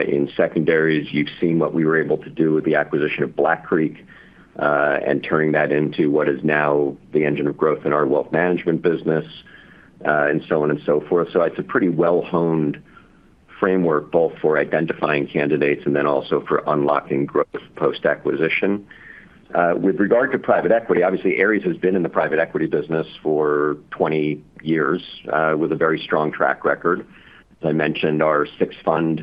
In secondaries, you've seen what we were able to do with the acquisition of Black Creek Group, turning that into what is now the engine of growth in our wealth management business, and so on and so forth. It's a pretty well-honed framework both for identifying candidates and then also for unlocking growth post-acquisition. With regard to private equity, obviously Ares has been in the private equity business for 20 years with a very strong track record. As I mentioned, our sixth fund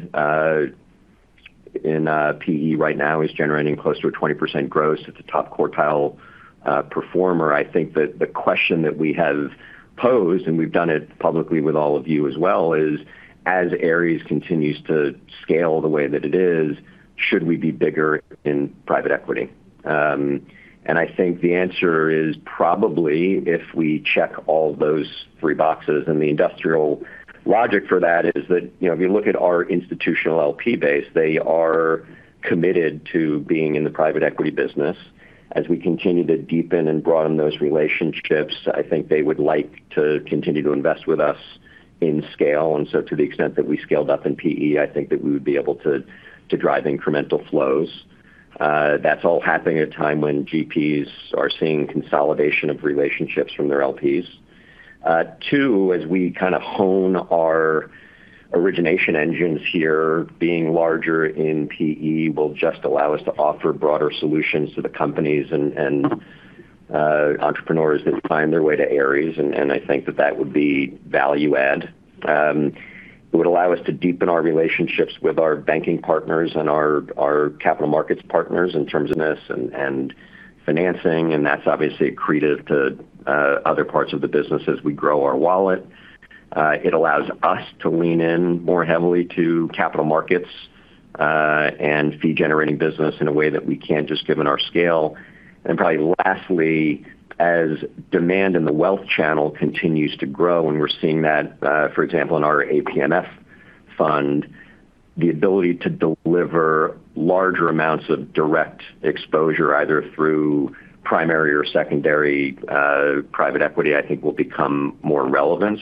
in PE right now is generating close to a 20% gross. It's a top quartile performer. I think that the question that we have posed, and we've done it publicly with all of you as well is, as Ares continues to scale the way that it is, should we be bigger in private equity? I think the answer is probably if we check all those three boxes, the industrial logic for that is that if you look at our institutional LP base, they are committed to being in the private equity business. As we continue to deepen and broaden those relationships, I think they would like to continue to invest with us in scale. To the extent that we scaled up in PE, I think that we would be able to drive incremental flows. That's all happening at a time when GPs are seeing consolidation of relationships from their LPs. Two, as we kind of hone our origination engines here, being larger in PE will just allow us to offer broader solutions to the companies and entrepreneurs that find their way to Ares, and I think that that would be value add. It would allow us to deepen our relationships with our banking partners and our capital markets partners in terms of this and financing, that's obviously accretive to other parts of the business as we grow our wallet. It allows us to lean in more heavily to capital markets, and fee-generating business in a way that we can't just given our scale. Probably lastly, as demand in the wealth channel continues to grow, and we're seeing that, for example, in our APMF fund, the ability to deliver larger amounts of direct exposure, either through primary or secondary private equity, I think will become more relevant.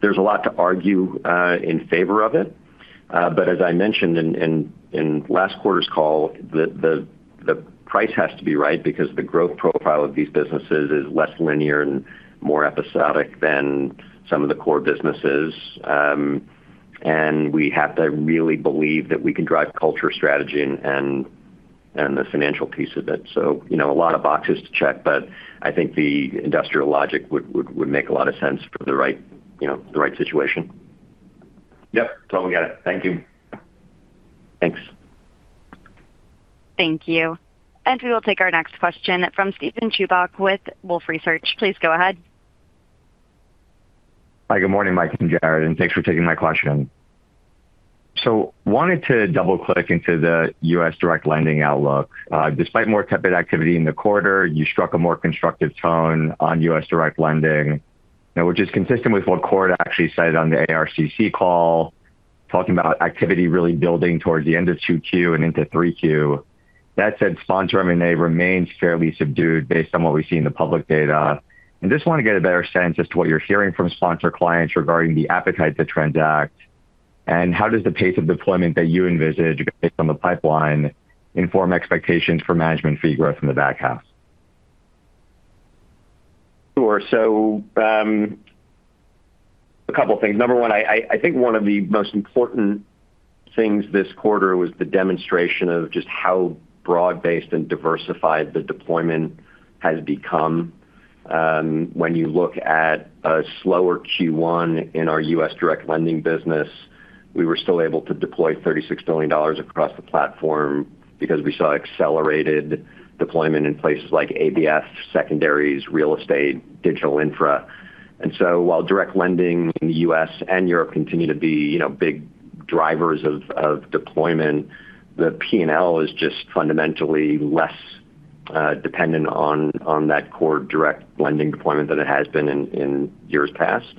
There's a lot to argue in favor of it. As I mentioned in last quarter's call, the price has to be right because the growth profile of these businesses is less linear and more episodic than some of the core businesses. We have to really believe that we can drive culture, strategy, and the financial piece of it. A lot of boxes to check, I think the industrial logic would make a lot of sense for the right situation. Yep. Totally get it. Thank you. Thanks. Thank you. We will take our next question from Steven Chubak with Wolfe Research. Please go ahead. Hi, good morning, Mike and Jarrod, thanks for taking my question. Wanted to double-click into the U.S. direct lending outlook. Despite more tepid activity in the quarter, you struck a more constructive tone on U.S. direct lending. Now, which is consistent with what Kort actually said on the ARCC call, talking about activity really building towards the end of 2Q and into 3Q. That said, sponsor M&A remains fairly subdued based on what we see in the public data. Just want to get a better sense as to what you're hearing from sponsor clients regarding the appetite to transact. How does the pace of deployment that you envisage based on the pipeline inform expectations for management fee growth in the back half? Sure. A couple of things. Number one, I think one of the most important things this quarter was the demonstration of just how broad-based and diversified the deployment has become. When you look at a slower Q1 in our U.S. direct lending business, we were still able to deploy $36 billion across the platform because we saw accelerated deployment in places like ABS, secondaries, real estate, digital infra. While direct lending in the U.S. and Europe continue to be big drivers of deployment, the P&L is just fundamentally less dependent on that core direct lending deployment than it has been in years past.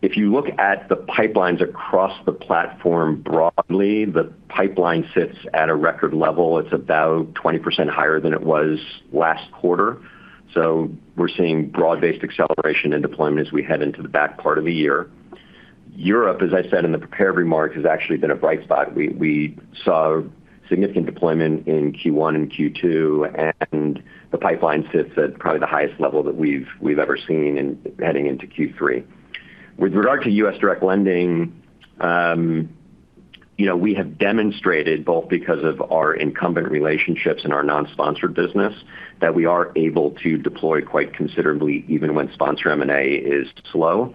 If you look at the pipelines across the platform broadly, the pipeline sits at a record level. It's about 20% higher than it was last quarter. We're seeing broad-based acceleration in deployment as we head into the back part of the year. Europe, as I said in the prepared remarks, has actually been a bright spot. We saw significant deployment in Q1 and Q2, the pipeline sits at probably the highest level that we've ever seen heading into Q3. With regard to U.S. direct lending, we have demonstrated both because of our incumbent relationships and our non-sponsored business that we are able to deploy quite considerably even when sponsor M&A is slow.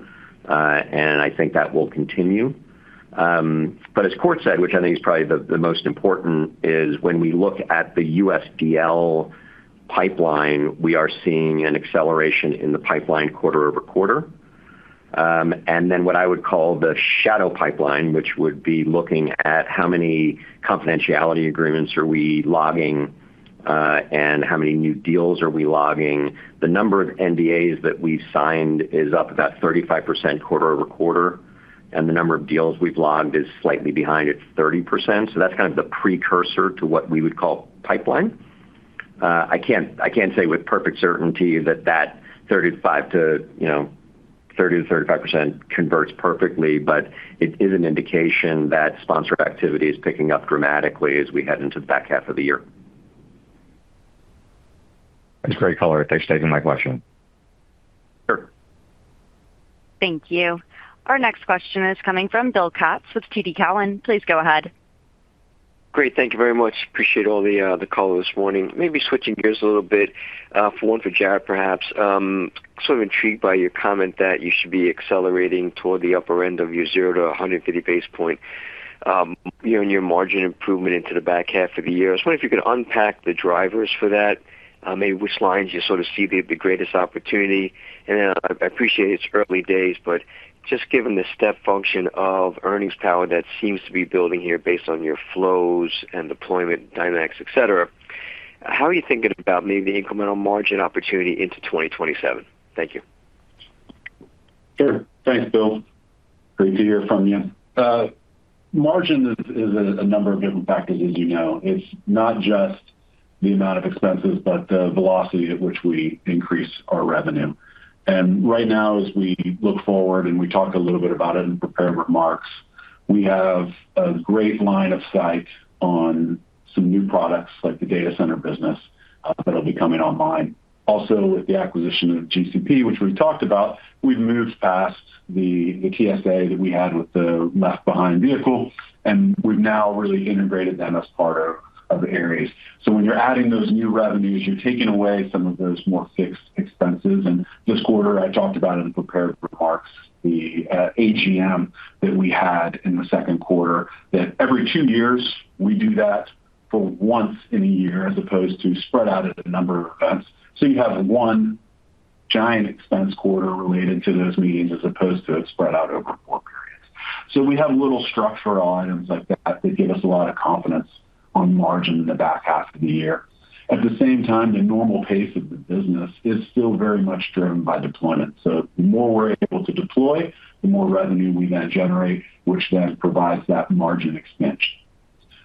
I think that will continue. As Kort said, which I think is probably the most important, is when we look at the USDL pipeline, we are seeing an acceleration in the pipeline quarter-over-quarter. Then what I would call the shadow pipeline, which would be looking at how many confidentiality agreements are we logging, and how many new deals are we logging. The number of NDAs that we've signed is up about 35% quarter-over-quarter, and the number of deals we've logged is slightly behind at 30%. That's kind of the precursor to what we would call pipeline. I can't say with perfect certainty that that 30%-35% converts perfectly, it is an indication that sponsor activity is picking up dramatically as we head into the back half of the year. That's great color. Thanks for taking my question. Sure. Thank you. Our next question is coming from Bill Katz with TD Cowen. Please go ahead. Great. Thank you very much. Appreciate all the call this morning. Maybe switching gears a little bit, one for Jarrod perhaps. Sort of intrigued by your comment that you should be accelerating toward the upper end of your 0 to 150 basis points year-on-year margin improvement into the back half of the year. I was wondering if you could unpack the drivers for that. Maybe which lines you sort of see the greatest opportunity. I appreciate it's early days, but just given the step function of earnings power that seems to be building here based on your flows and deployment dynamics, et cetera, how are you thinking about maybe the incremental margin opportunity into 2027? Thank you. Sure. Thanks, Bill. Great to hear from you. Margin is a number of different factors as you know. It's not just the amount of expenses, but the velocity at which we increase our revenue. Right now, as we look forward and we talked a little bit about it in prepared remarks, we have a great line of sight on some new products like the data center business that'll be coming online. With the acquisition of GCP, which we've talked about, we've moved past the TSA that we had with the left behind vehicle, and we've now really integrated them as part of Ares. When you're adding those new revenues, you're taking away some of those more fixed expenses. This quarter, I talked about it in prepared remarks, the AGM that we had in the second quarter that every two years we do that for once in a year as opposed to spread out at a number of events. You have one giant expense quarter related to those meetings as opposed to it spread out over four periods. We have little structural items like that give us a lot of confidence on margin in the back half of the year. At the same time, the normal pace of the business is still very much driven by deployment. The more we're able to deploy, the more revenue we then generate, which then provides that margin expansion.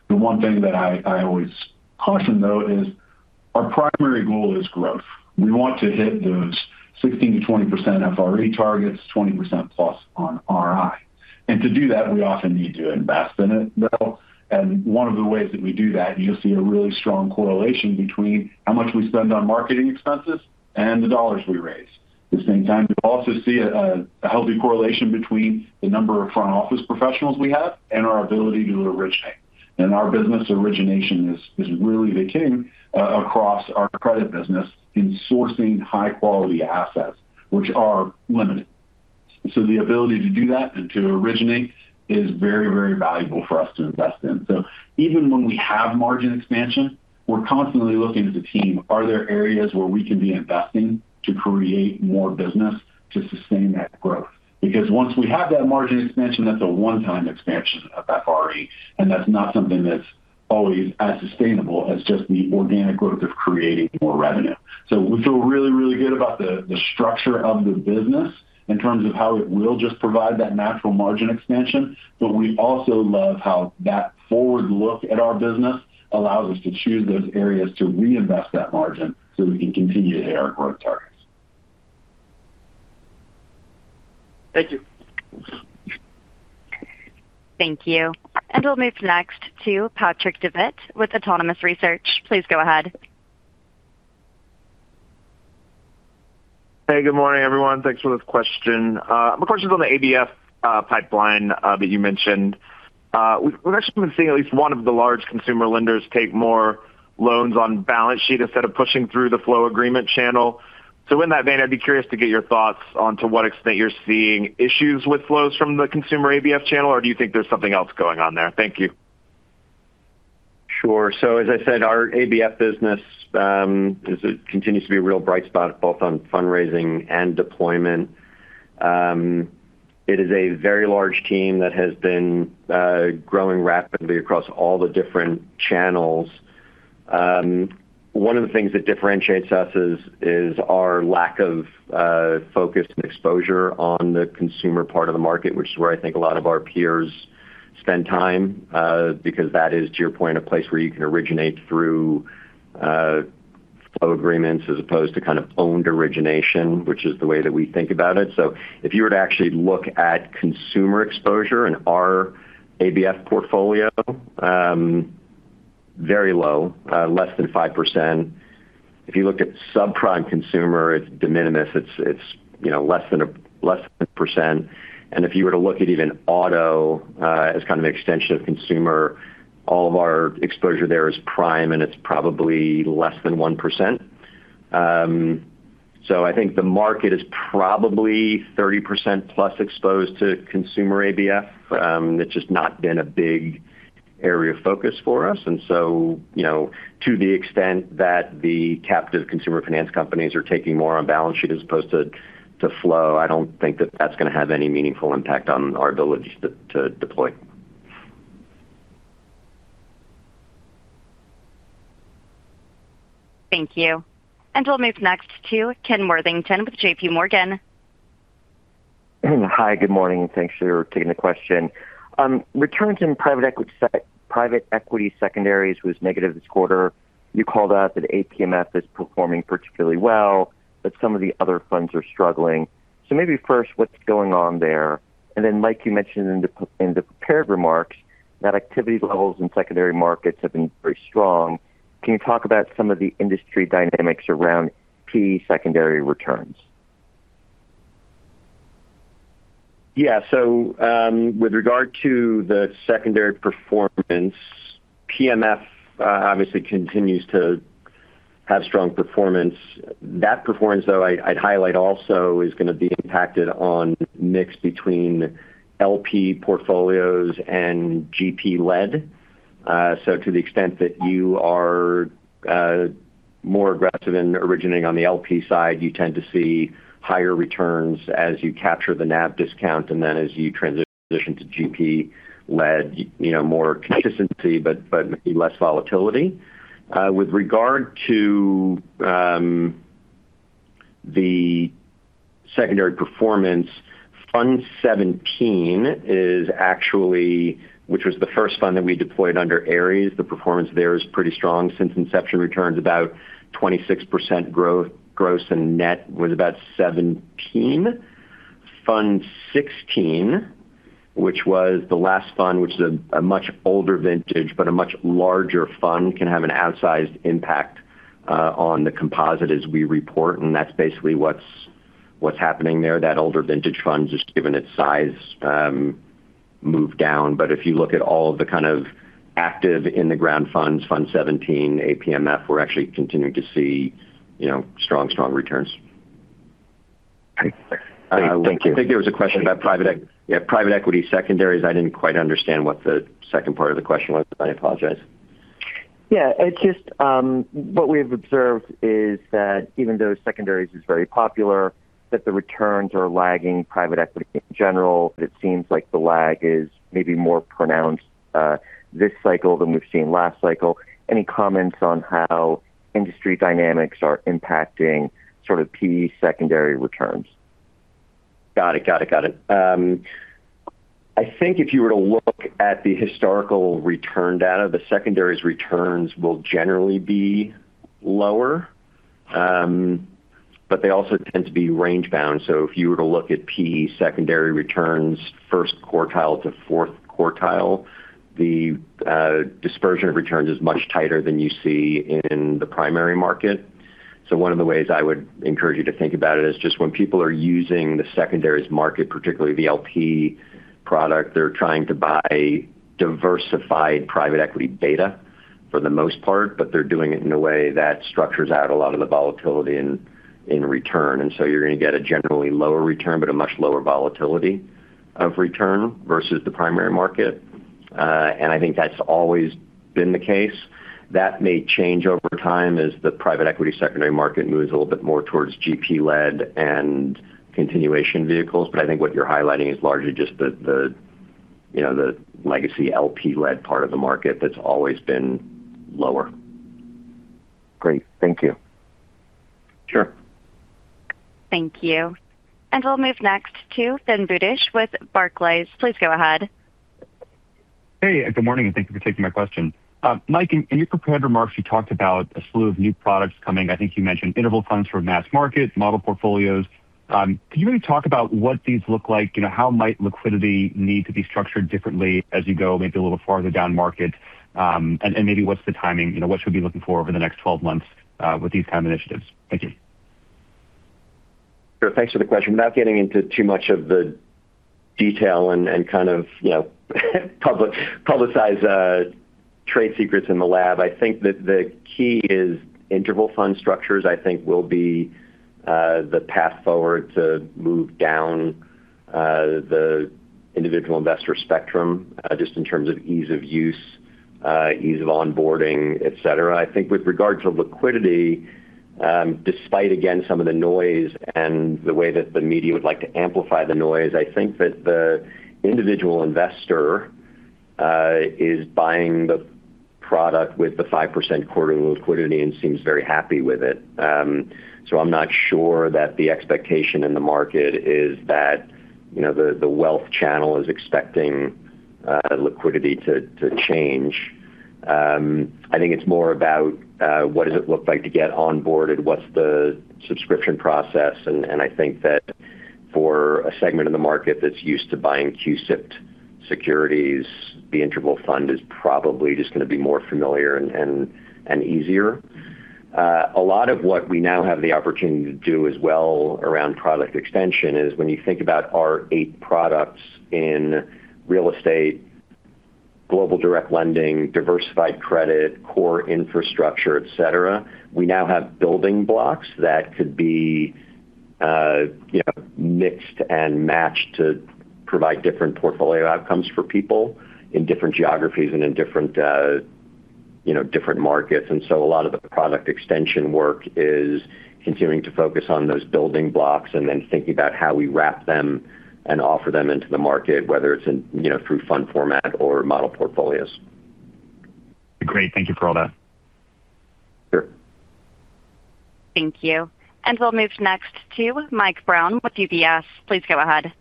The one thing that I always caution though is our primary goal is growth. We want to hit those 16%-20% FRE targets, 20%+ on RI. To do that, we often need to invest in it, Bill, one of the ways that we do that, you'll see a really strong correlation between how much we spend on marketing expenses and the dollars we raise. At the same time, you also see a healthy correlation between the number of front office professionals we have and our ability to originate. Our business origination is really the king across our credit business in sourcing high quality assets, which are limited. The ability to do that and to originate is very, very valuable for us to invest in. Even when we have margin expansion, we're constantly looking as a team, are there areas where we can be investing to create more business to sustain that growth? Because once we have that margin expansion, that's a one-time expansion of FRE, that's not something that's always as sustainable as just the organic growth of creating more revenue. We feel really, really good about the structure of the business in terms of how it will just provide that natural margin expansion. We also love how that forward look at our business allows us to choose those areas to reinvest that margin so we can continue to hit our growth targets. Thank you. Thank you. We'll move next to Patrick Davitt with Autonomous Research. Please go ahead. Hey, good morning, everyone. Thanks for the question. My question's on the ABF pipeline that you mentioned. We've actually been seeing at least one of the large consumer lenders take more loans on balance sheet instead of pushing through the flow agreement channel. In that vein, I'd be curious to get your thoughts on to what extent you're seeing issues with flows from the consumer ABF channel, or do you think there's something else going on there? Thank you. Sure. As I said, our ABF business continues to be a real bright spot both on fundraising and deployment. It is a very large team that has been growing rapidly across all the different channels. One of the things that differentiates us is our lack of focus and exposure on the consumer part of the market, which is where I think a lot of our peers spend time because that is, to your point, a place where you can originate through flow agreements as opposed to kind of owned origination, which is the way that we think about it. If you were to actually look at consumer exposure in our ABF portfolio, very low, less than 5%. If you looked at subprime consumer, it's de minimis, it's less than 1%. If you were to look at even auto as kind of an extension of consumer, all of our exposure there is prime, and it's probably less than 1%. I think the market is probably 30%+ exposed to consumer ABF. It's just not been a big area of focus for us. To the extent that the captive consumer finance companies are taking more on balance sheet as opposed to flow, I don't think that that's going to have any meaningful impact on our ability to deploy. Thank you. We'll move next to Ken Worthington with JPMorgan. Hi, good morning. Thanks for taking the question. Returns in private equity secondaries was negative this quarter. You called out that APMF is performing particularly well, but some of the other funds are struggling. Maybe first, what's going on there? Then, Mike, you mentioned in the prepared remarks that activity levels in secondary markets have been very strong. Can you talk about some of the industry dynamics around PE secondary returns? Yeah. With regard to the secondary performance, PMF obviously continues to have strong performance. That performance, though, I'd highlight also is going to be impacted on mix between LP portfolios and GP-led. To the extent that you are more aggressive in originating on the LP side, you tend to see higher returns as you capture the NAV discount, then as you transition to GP-led, more consistency but maybe less volatility. With regard to the secondary performance, Fund XVII, which was the first fund that we deployed under Ares, the performance there is pretty strong. Since inception, returns about 26% gross, net was about 17%. Fund XVI, which was the last fund, which is a much older vintage, but a much larger fund, can have an outsized impact on the composite as we report, that's basically what's happening there. That older vintage fund, just given its size, moved down. If you look at all of the kind of active in-the-ground funds, Fund XVII, APMF, we're actually continuing to see strong returns. Great. Thank you. I think there was a question about private equity secondaries. I didn't quite understand what the second part of the question was. I apologize. Yeah. It's just what we've observed is that even though secondaries is very popular, that the returns are lagging private equity in general. It seems like the lag is maybe more pronounced this cycle than we've seen last cycle. Any comments on how industry dynamics are impacting sort of PE secondary returns? Got it. I think if you were to look at the historical return data, the secondaries returns will generally be lower. They also tend to be range-bound. If you were to look at PE secondary returns, first quartile to fourth quartile, the dispersion of returns is much tighter than you see in the primary market. One of the ways I would encourage you to think about it is just when people are using the secondaries market, particularly the LP product, they're trying to buy diversified private equity beta for the most part, but they're doing it in a way that structures out a lot of the volatility in return. You're going to get a generally lower return, but a much lower volatility of return versus the primary market. I think that's always been the case. That may change over time as the private equity secondary market moves a little bit more towards GP-led and continuation vehicles. I think what you're highlighting is largely just the legacy LP-led part of the market that's always been lower. Great. Thank you. Sure. Thank you. We'll move next to Ben Budish with Barclays. Please go ahead. Good morning, and thank you for taking my question. Mike, in your prepared remarks, you talked about a slew of new products coming. I think you mentioned interval funds for mass market, model portfolios. Can you maybe talk about what these look like? How might liquidity need to be structured differently as you go maybe a little farther down market? Maybe what's the timing? What should we be looking for over the next 12 months with these kind of initiatives? Thank you. Sure. Thanks for the question. Without getting into too much of the detail and kind of publicize trade secrets in the lab, I think that the key is interval fund structures, I think, will be the path forward to move down the individual investor spectrum, just in terms of ease of use ease of onboarding, et cetera. I think with regard to liquidity, despite, again, some of the noise and the way that the media would like to amplify the noise, I think that the individual investor is buying the product with the 5% quarterly liquidity and seems very happy with it. I'm not sure that the expectation in the market is that the wealth channel is expecting liquidity to change. I think it's more about what does it look like to get onboarded, what's the subscription process. I think that for a segment of the market that's used to buying CUSIP securities, the interval fund is probably just going to be more familiar and easier. A lot of what we now have the opportunity to do as well around product extension is when you think about our eight products in real estate, global direct lending, diversified credit, core infrastructure, et cetera, we now have building blocks that could be mixed and matched to provide different portfolio outcomes for people in different geographies and in different markets. A lot of the product extension work is continuing to focus on those building blocks and then thinking about how we wrap them and offer them into the market, whether it's through fund format or model portfolios. Great. Thank you for all that. Sure. Thank you. We'll move next to Mike Brown with UBS. Please go ahead.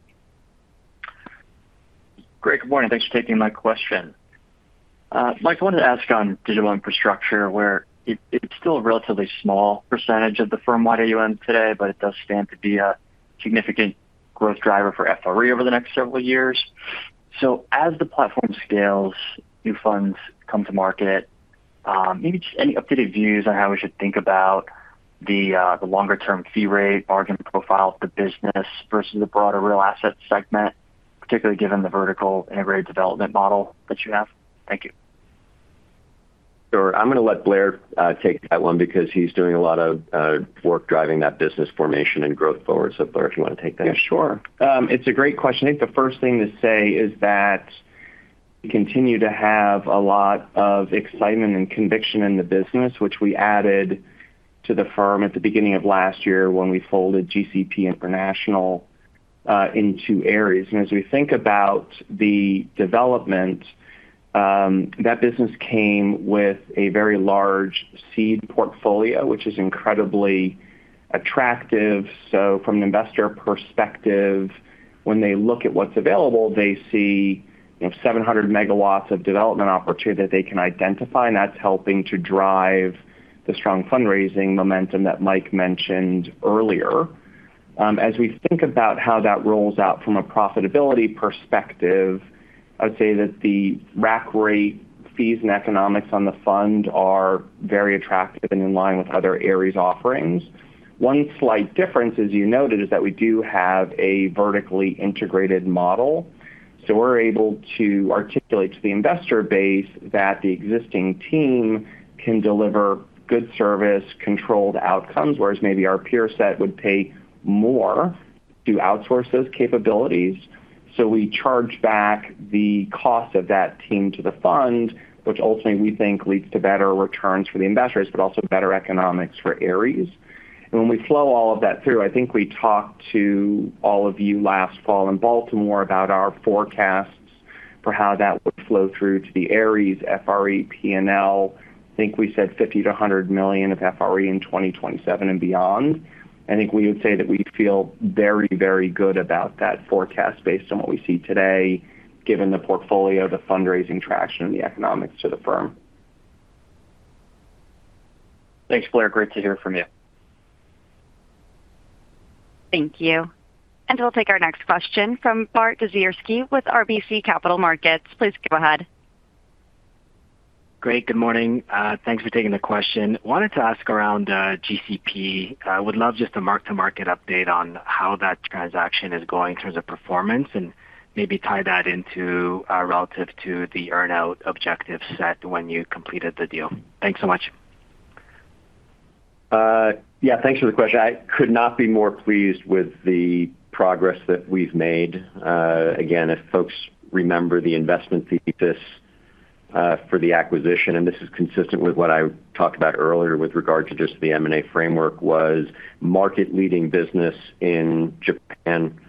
Great. Good morning. Thanks for taking my question. Mike, I wanted to ask on digital infrastructure, where it's still a relatively small percentage of the firmwide AUM today, but it does stand to be a significant growth driver for FRE over the next several years. As the platform scales, new funds come to market, maybe just any updated views on how we should think about the longer-term fee rate, margin profile of the business versus the broader real asset segment, particularly given the vertical integrated development model that you have. Thank you. Sure. I'm going to let Blair take that one because he's doing a lot of work driving that business formation and growth forward. Blair, if you want to take that. Yeah, sure. It's a great question. I think the first thing to say is that we continue to have a lot of excitement and conviction in the business, which we added to the firm at the beginning of last year when we folded GCP International into Ares. As we think about the development, that business came with a very large seed portfolio, which is incredibly attractive. From an investor perspective, when they look at what's available, they see 700 MW of development opportunity that they can identify, and that's helping to drive the strong fundraising momentum that Mike mentioned earlier. As we think about how that rolls out from a profitability perspective, I would say that the rack rate fees and economics on the fund are very attractive and in line with other Ares offerings. One slight difference, as you noted, is that we do have a vertically integrated model. We're able to articulate to the investor base that the existing team can deliver good service, controlled outcomes, whereas maybe our peer set would pay more to outsource those capabilities. We charge back the cost of that team to the fund, which ultimately we think leads to better returns for the investors, but also better economics for Ares. When we flow all of that through, I think we talked to all of you last fall in Baltimore about our forecasts for how that would flow through to the Ares FRE P&L. I think we said $50 million-$100 million of FRE in 2027 and beyond. I think we would say that we feel very good about that forecast based on what we see today, given the portfolio, the fundraising traction, and the economics to the firm. Thanks, Blair. Great to hear from you. Thank you. We'll take our next question from Bart Dziarski with RBC Capital Markets. Please go ahead. Great. Good morning. Thanks for taking the question. Wanted to ask around GCP. Would love just a mark-to-market update on how that transaction is going in terms of performance, and maybe tie that into relative to the earn-out objective set when you completed the deal. Thanks so much. Yeah, thanks for the question. I could not be more pleased with the progress that we've made. Again, if folks remember the investment thesis for the acquisition, and this is consistent with what I talked about earlier with regard to just the M&A framework, was market-leading business in Japan,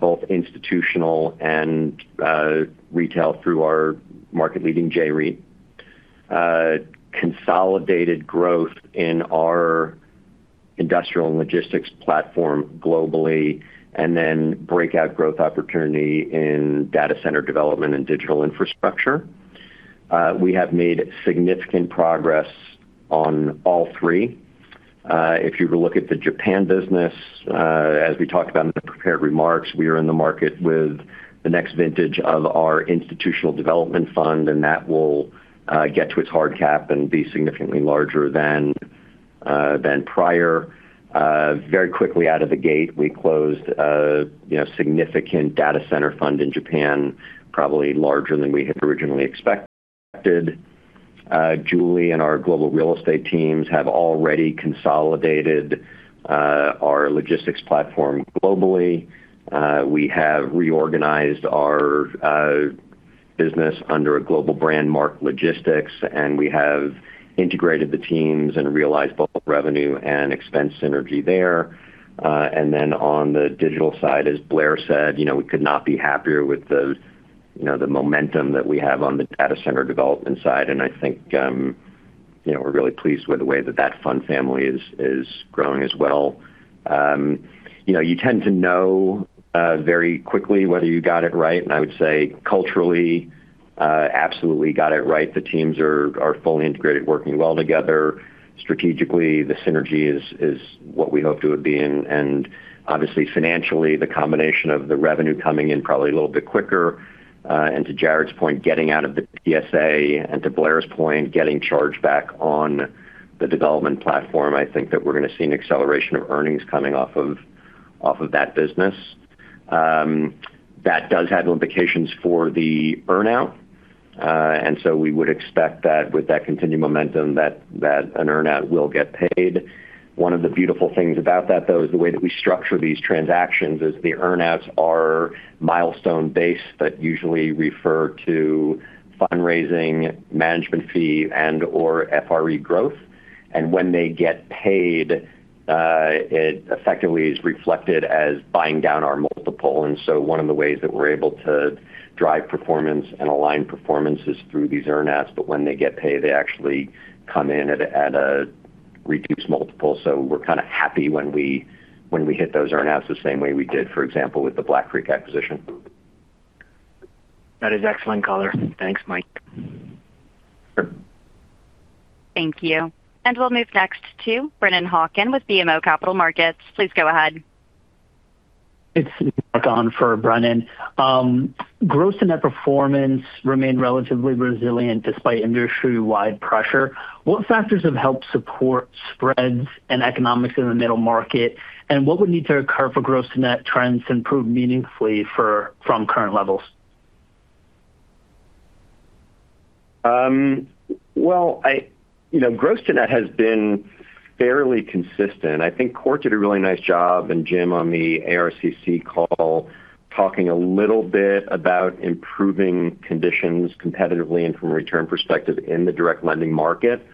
both institutional and retail through our market-leading J-REIT. Consolidated growth in our industrial and logistics platform globally, and then breakout growth opportunity in data center development and digital infrastructure. We have made significant progress on all three. If you were to look at the Japan business, as we talked about in the prepared remarks, we are in the market with the next vintage of our institutional development fund, and that will get to its hard cap and be significantly larger than prior. Very quickly out of the gate, we closed a significant data center fund in Japan, probably larger than we had originally expected Julie and our global real estate teams have already consolidated our logistics platform globally. We have reorganized our business under a global brand, Mike Logistics, and we have integrated the teams and realized both revenue and expense synergy there. Then on the digital side, as Blair said, we could not be happier with the momentum that we have on the data center development side. I think we're really pleased with the way that that fund family is growing as well. You tend to know very quickly whether you got it right, and I would say culturally, absolutely got it right. The teams are fully integrated, working well together. Strategically, the synergy is what we hoped it would be, and obviously financially, the combination of the revenue coming in probably a little bit quicker. To Jarrod's point, getting out of the PSA, and to Blair's point, getting chargeback on the development platform. I think that we're going to see an acceleration of earnings coming off of that business. That does have implications for the earn-out. So we would expect that with that continued momentum, that an earn-out will get paid. One of the beautiful things about that, though, is the way that we structure these transactions is the earn-outs are milestone based, but usually refer to fundraising management fee and/or FRE growth. When they get paid, it effectively is reflected as buying down our multiple. So one of the ways that we're able to drive performance and align performance is through these earn-outs. When they get paid, they actually come in at a reduced multiple. We're kind of happy when we hit those earn-outs the same way we did, for example, with the Black Creek acquisition. That is excellent color. Thanks, Mike. Sure. Thank you. We'll move next to Brennan Hawken with BMO Capital Markets. Please go ahead. It's on for Brennan. Gross to net performance remained relatively resilient despite industry-wide pressure. What factors have helped support spreads and economics in the middle market, and what would need to occur for gross to net trends to improve meaningfully from current levels? Well, gross to net has been fairly consistent. I think Kort did a really nice job, and Jim on the ARCC call talking a little bit about improving conditions competitively and from a return perspective in the direct lending market.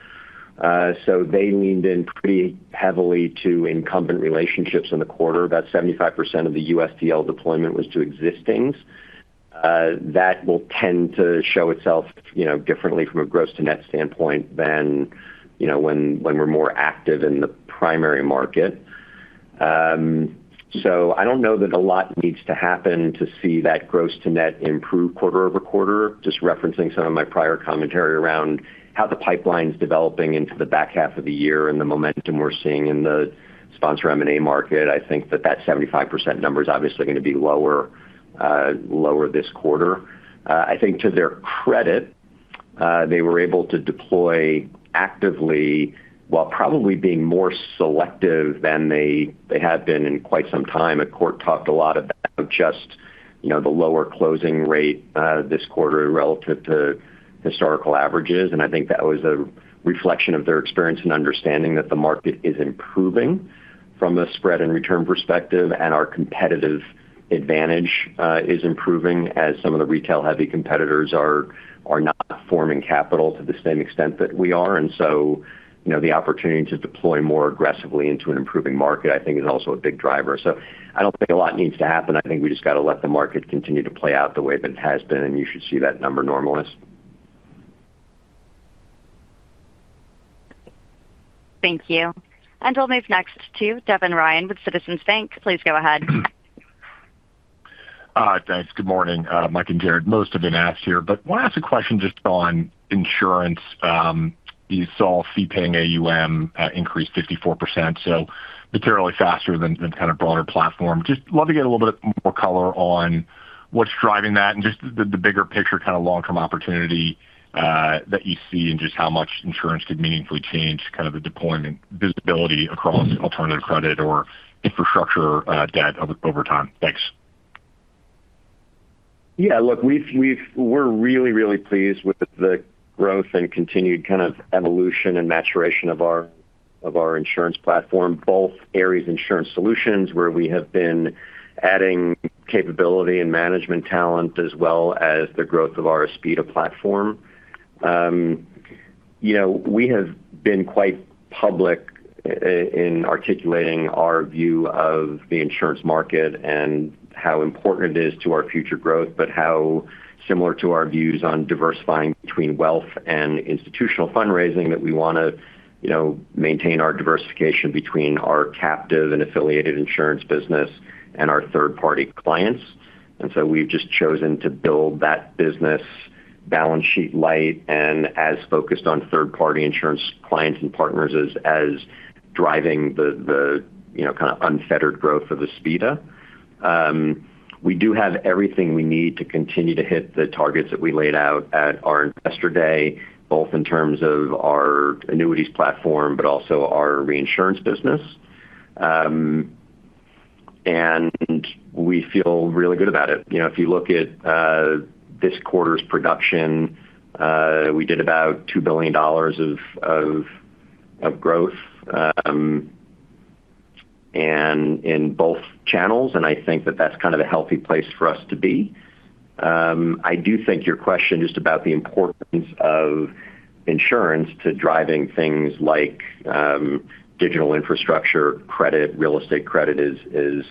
They leaned in pretty heavily to incumbent relationships in the quarter. About 75% of the USTL deployment was to existings. That will tend to show itself differently from a gross to net standpoint than when we are more active in the primary market. I don't know that a lot needs to happen to see that gross to net improve quarter-over-quarter. Just referencing some of my prior commentary around how the pipeline is developing into the back half of the year and the momentum we are seeing in the sponsor M&A market. I think that that 75% number is obviously going to be lower this quarter. I think to their credit, they were able to deploy actively while probably being more selective than they had been in quite some time. Kort talked a lot about just the lower closing rate this quarter relative to historical averages. I think that was a reflection of their experience and understanding that the market is improving from a spread and return perspective, and our competitive advantage is improving as some of the retail-heavy competitors are not forming capital to the same extent that we are. The opportunity to deploy more aggressively into an improving market I think is also a big driver. I don't think a lot needs to happen. I think we just got to let the market continue to play out the way that it has been, and you should see that number normalize. Thank you. We will move next to Devin Ryan with Citizens JMP. Please go ahead. Thanks. Good morning, Mike and Jarrod. Most have been asked here, but want to ask a question just on insurance. You saw fee paying AUM increase 54%, so materially faster than kind of broader platform. Just love to get a little bit more color on what is driving that and just the bigger picture kind of long-term opportunity that you see and just how much insurance could meaningfully change kind of the deployment visibility across alternative credit or infrastructure debt over time. Thanks. Yeah, look, we're really, really pleased with the growth and continued kind of evolution and maturation of our insurance platform, both Ares Insurance Solutions, where we have been adding capability and management talent, as well as the growth of our Aspida platform. We have been quite public in articulating our view of the insurance market and how important it is to our future growth, but how similar to our views on diversifying between wealth and institutional fundraising that we want to maintain our diversification between our captive and affiliated insurance business and our third-party clients. So we've just chosen to build that business balance sheet light and as focused on third-party insurance clients and partners as driving the kind of unfettered growth of the Aspida. We do have everything we need to continue to hit the targets that we laid out at our Investor Day, both in terms of our annuities platform, but also our reinsurance business. We feel really good about it. If you look at this quarter's production, we did about $2 billion of growth in both channels, I think that that's kind of a healthy place for us to be. I do think your question just about the importance of insurance to driving things like digital infrastructure credit, real estate credit is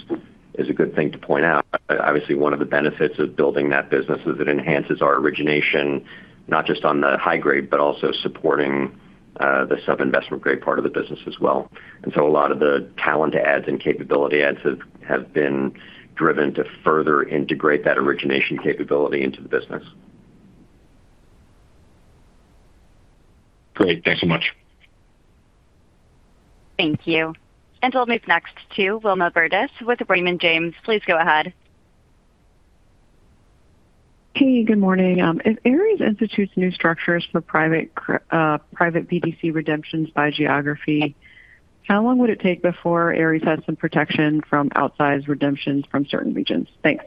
a good thing to point out. Obviously, one of the benefits of building that business is it enhances our origination, not just on the high grade, but also supporting the sub-investment grade part of the business as well. So a lot of the talent adds and capability adds have been driven to further integrate that origination capability into the business. Great. Thanks so much. Thank you. We'll move next to Wilma Burdis with Raymond James. Please go ahead. Hey, good morning. If Ares institutes new structures for private BDC redemptions by geography, how long would it take before Ares has some protection from outsized redemptions from certain regions? Thanks.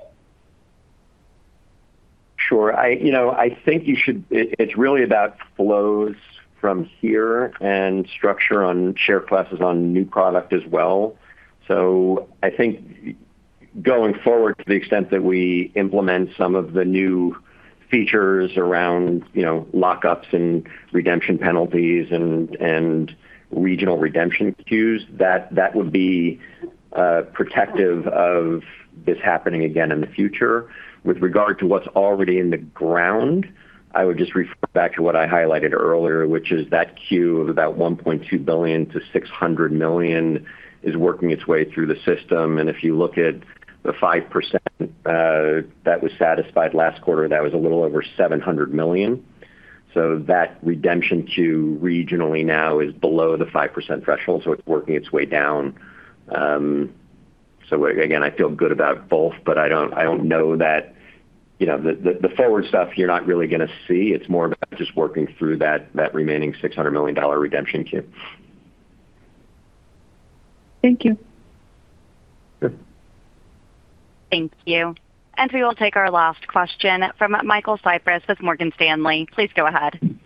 Sure. It's really about flows from here and structure on share classes on new product as well. I think going forward, to the extent that we implement some of the new features around lockups and redemption penalties and regional redemption queues, that would be protective of this happening again in the future. With regard to what's already in the ground, I would just refer back to what I highlighted earlier, which is that queue of about $1.2 billion to $600 million is working its way through the system. If you look at the 5% that was satisfied last quarter, that was a little over $700 million. That redemption queue regionally now is below the 5% threshold, it's working its way down. Again, I feel good about both, but I don't know that the forward stuff, you're not really going to see. It's more about just working through that remaining $600 million redemption queue. Thank you. Sure. Thank you. We will take our last question from Michael Cyprys with Morgan Stanley. Please go ahead.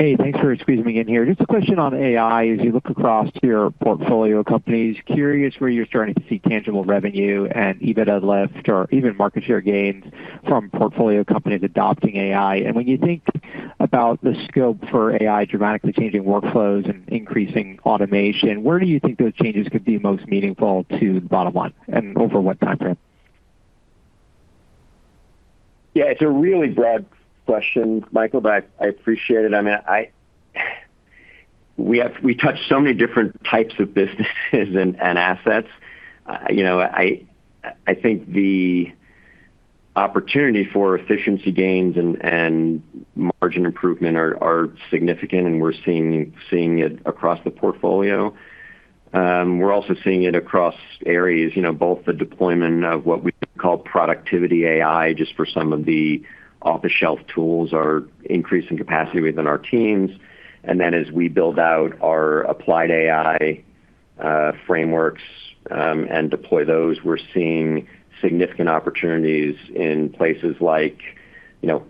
Hey, thanks for squeezing me in here. Just a question on AI. As you look across your portfolio companies, curious where you're starting to see tangible revenue and EBITDA lift or even market share gains from portfolio companies adopting AI. When you think about the scope for AI dramatically changing workflows and increasing automation, where do you think those changes could be most meaningful to the bottom line, and over what time frame? Yeah. It's a really broad question, Michael, but I appreciate it. We touch so many different types of businesses and assets. I think the opportunity for efficiency gains and margin improvement are significant, and we're seeing it across the portfolio. We're also seeing it across areas, both the deployment of what we call productivity AI, just for some of the off-the-shelf tools are increasing capacity within our teams. Then as we build out our applied AI frameworks, and deploy those, we're seeing significant opportunities in places like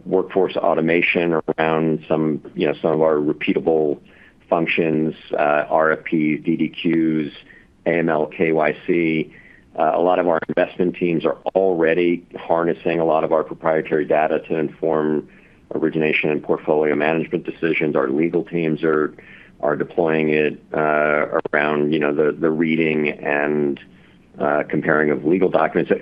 workforce automation around some of our repeatable functions, RFPs, DDQs, AML, KYC. A lot of our investment teams are already harnessing a lot of our proprietary data to inform origination and portfolio management decisions. Our legal teams are deploying it around the reading and comparing of legal documents.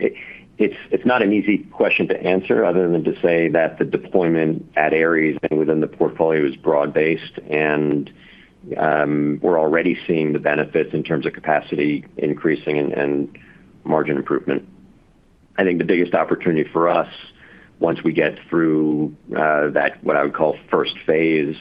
It's not an easy question to answer other than to say that the deployment at Ares and within the portfolio is broad-based, and we're already seeing the benefits in terms of capacity increasing and margin improvement. I think the biggest opportunity for us, once we get through that, what I would call first phase,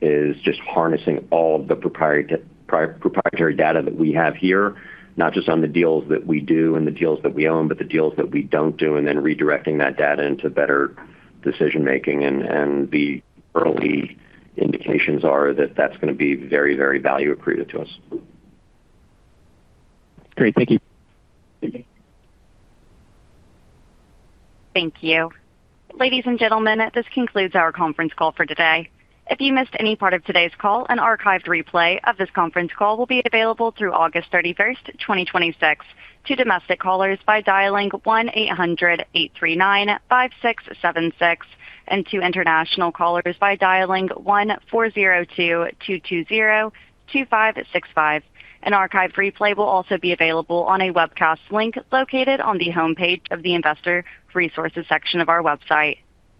is just harnessing all of the proprietary data that we have here, not just on the deals that we do and the deals that we own, but the deals that we don't do, then redirecting that data into better decision-making. The early indications are that that's going to be very, very value accretive to us. Great. Thank you. Thank you. Thank you. Ladies and gentlemen, this concludes our conference call for today. If you missed any part of today's call, an archived replay of this conference call will be available through August 31st, 2026 to domestic callers by dialing 1-800-839-5676, and to international callers by dialing 1-402-220-2565. An archived replay will also be available on a webcast link located on the homepage of the Investor Resources section of our website.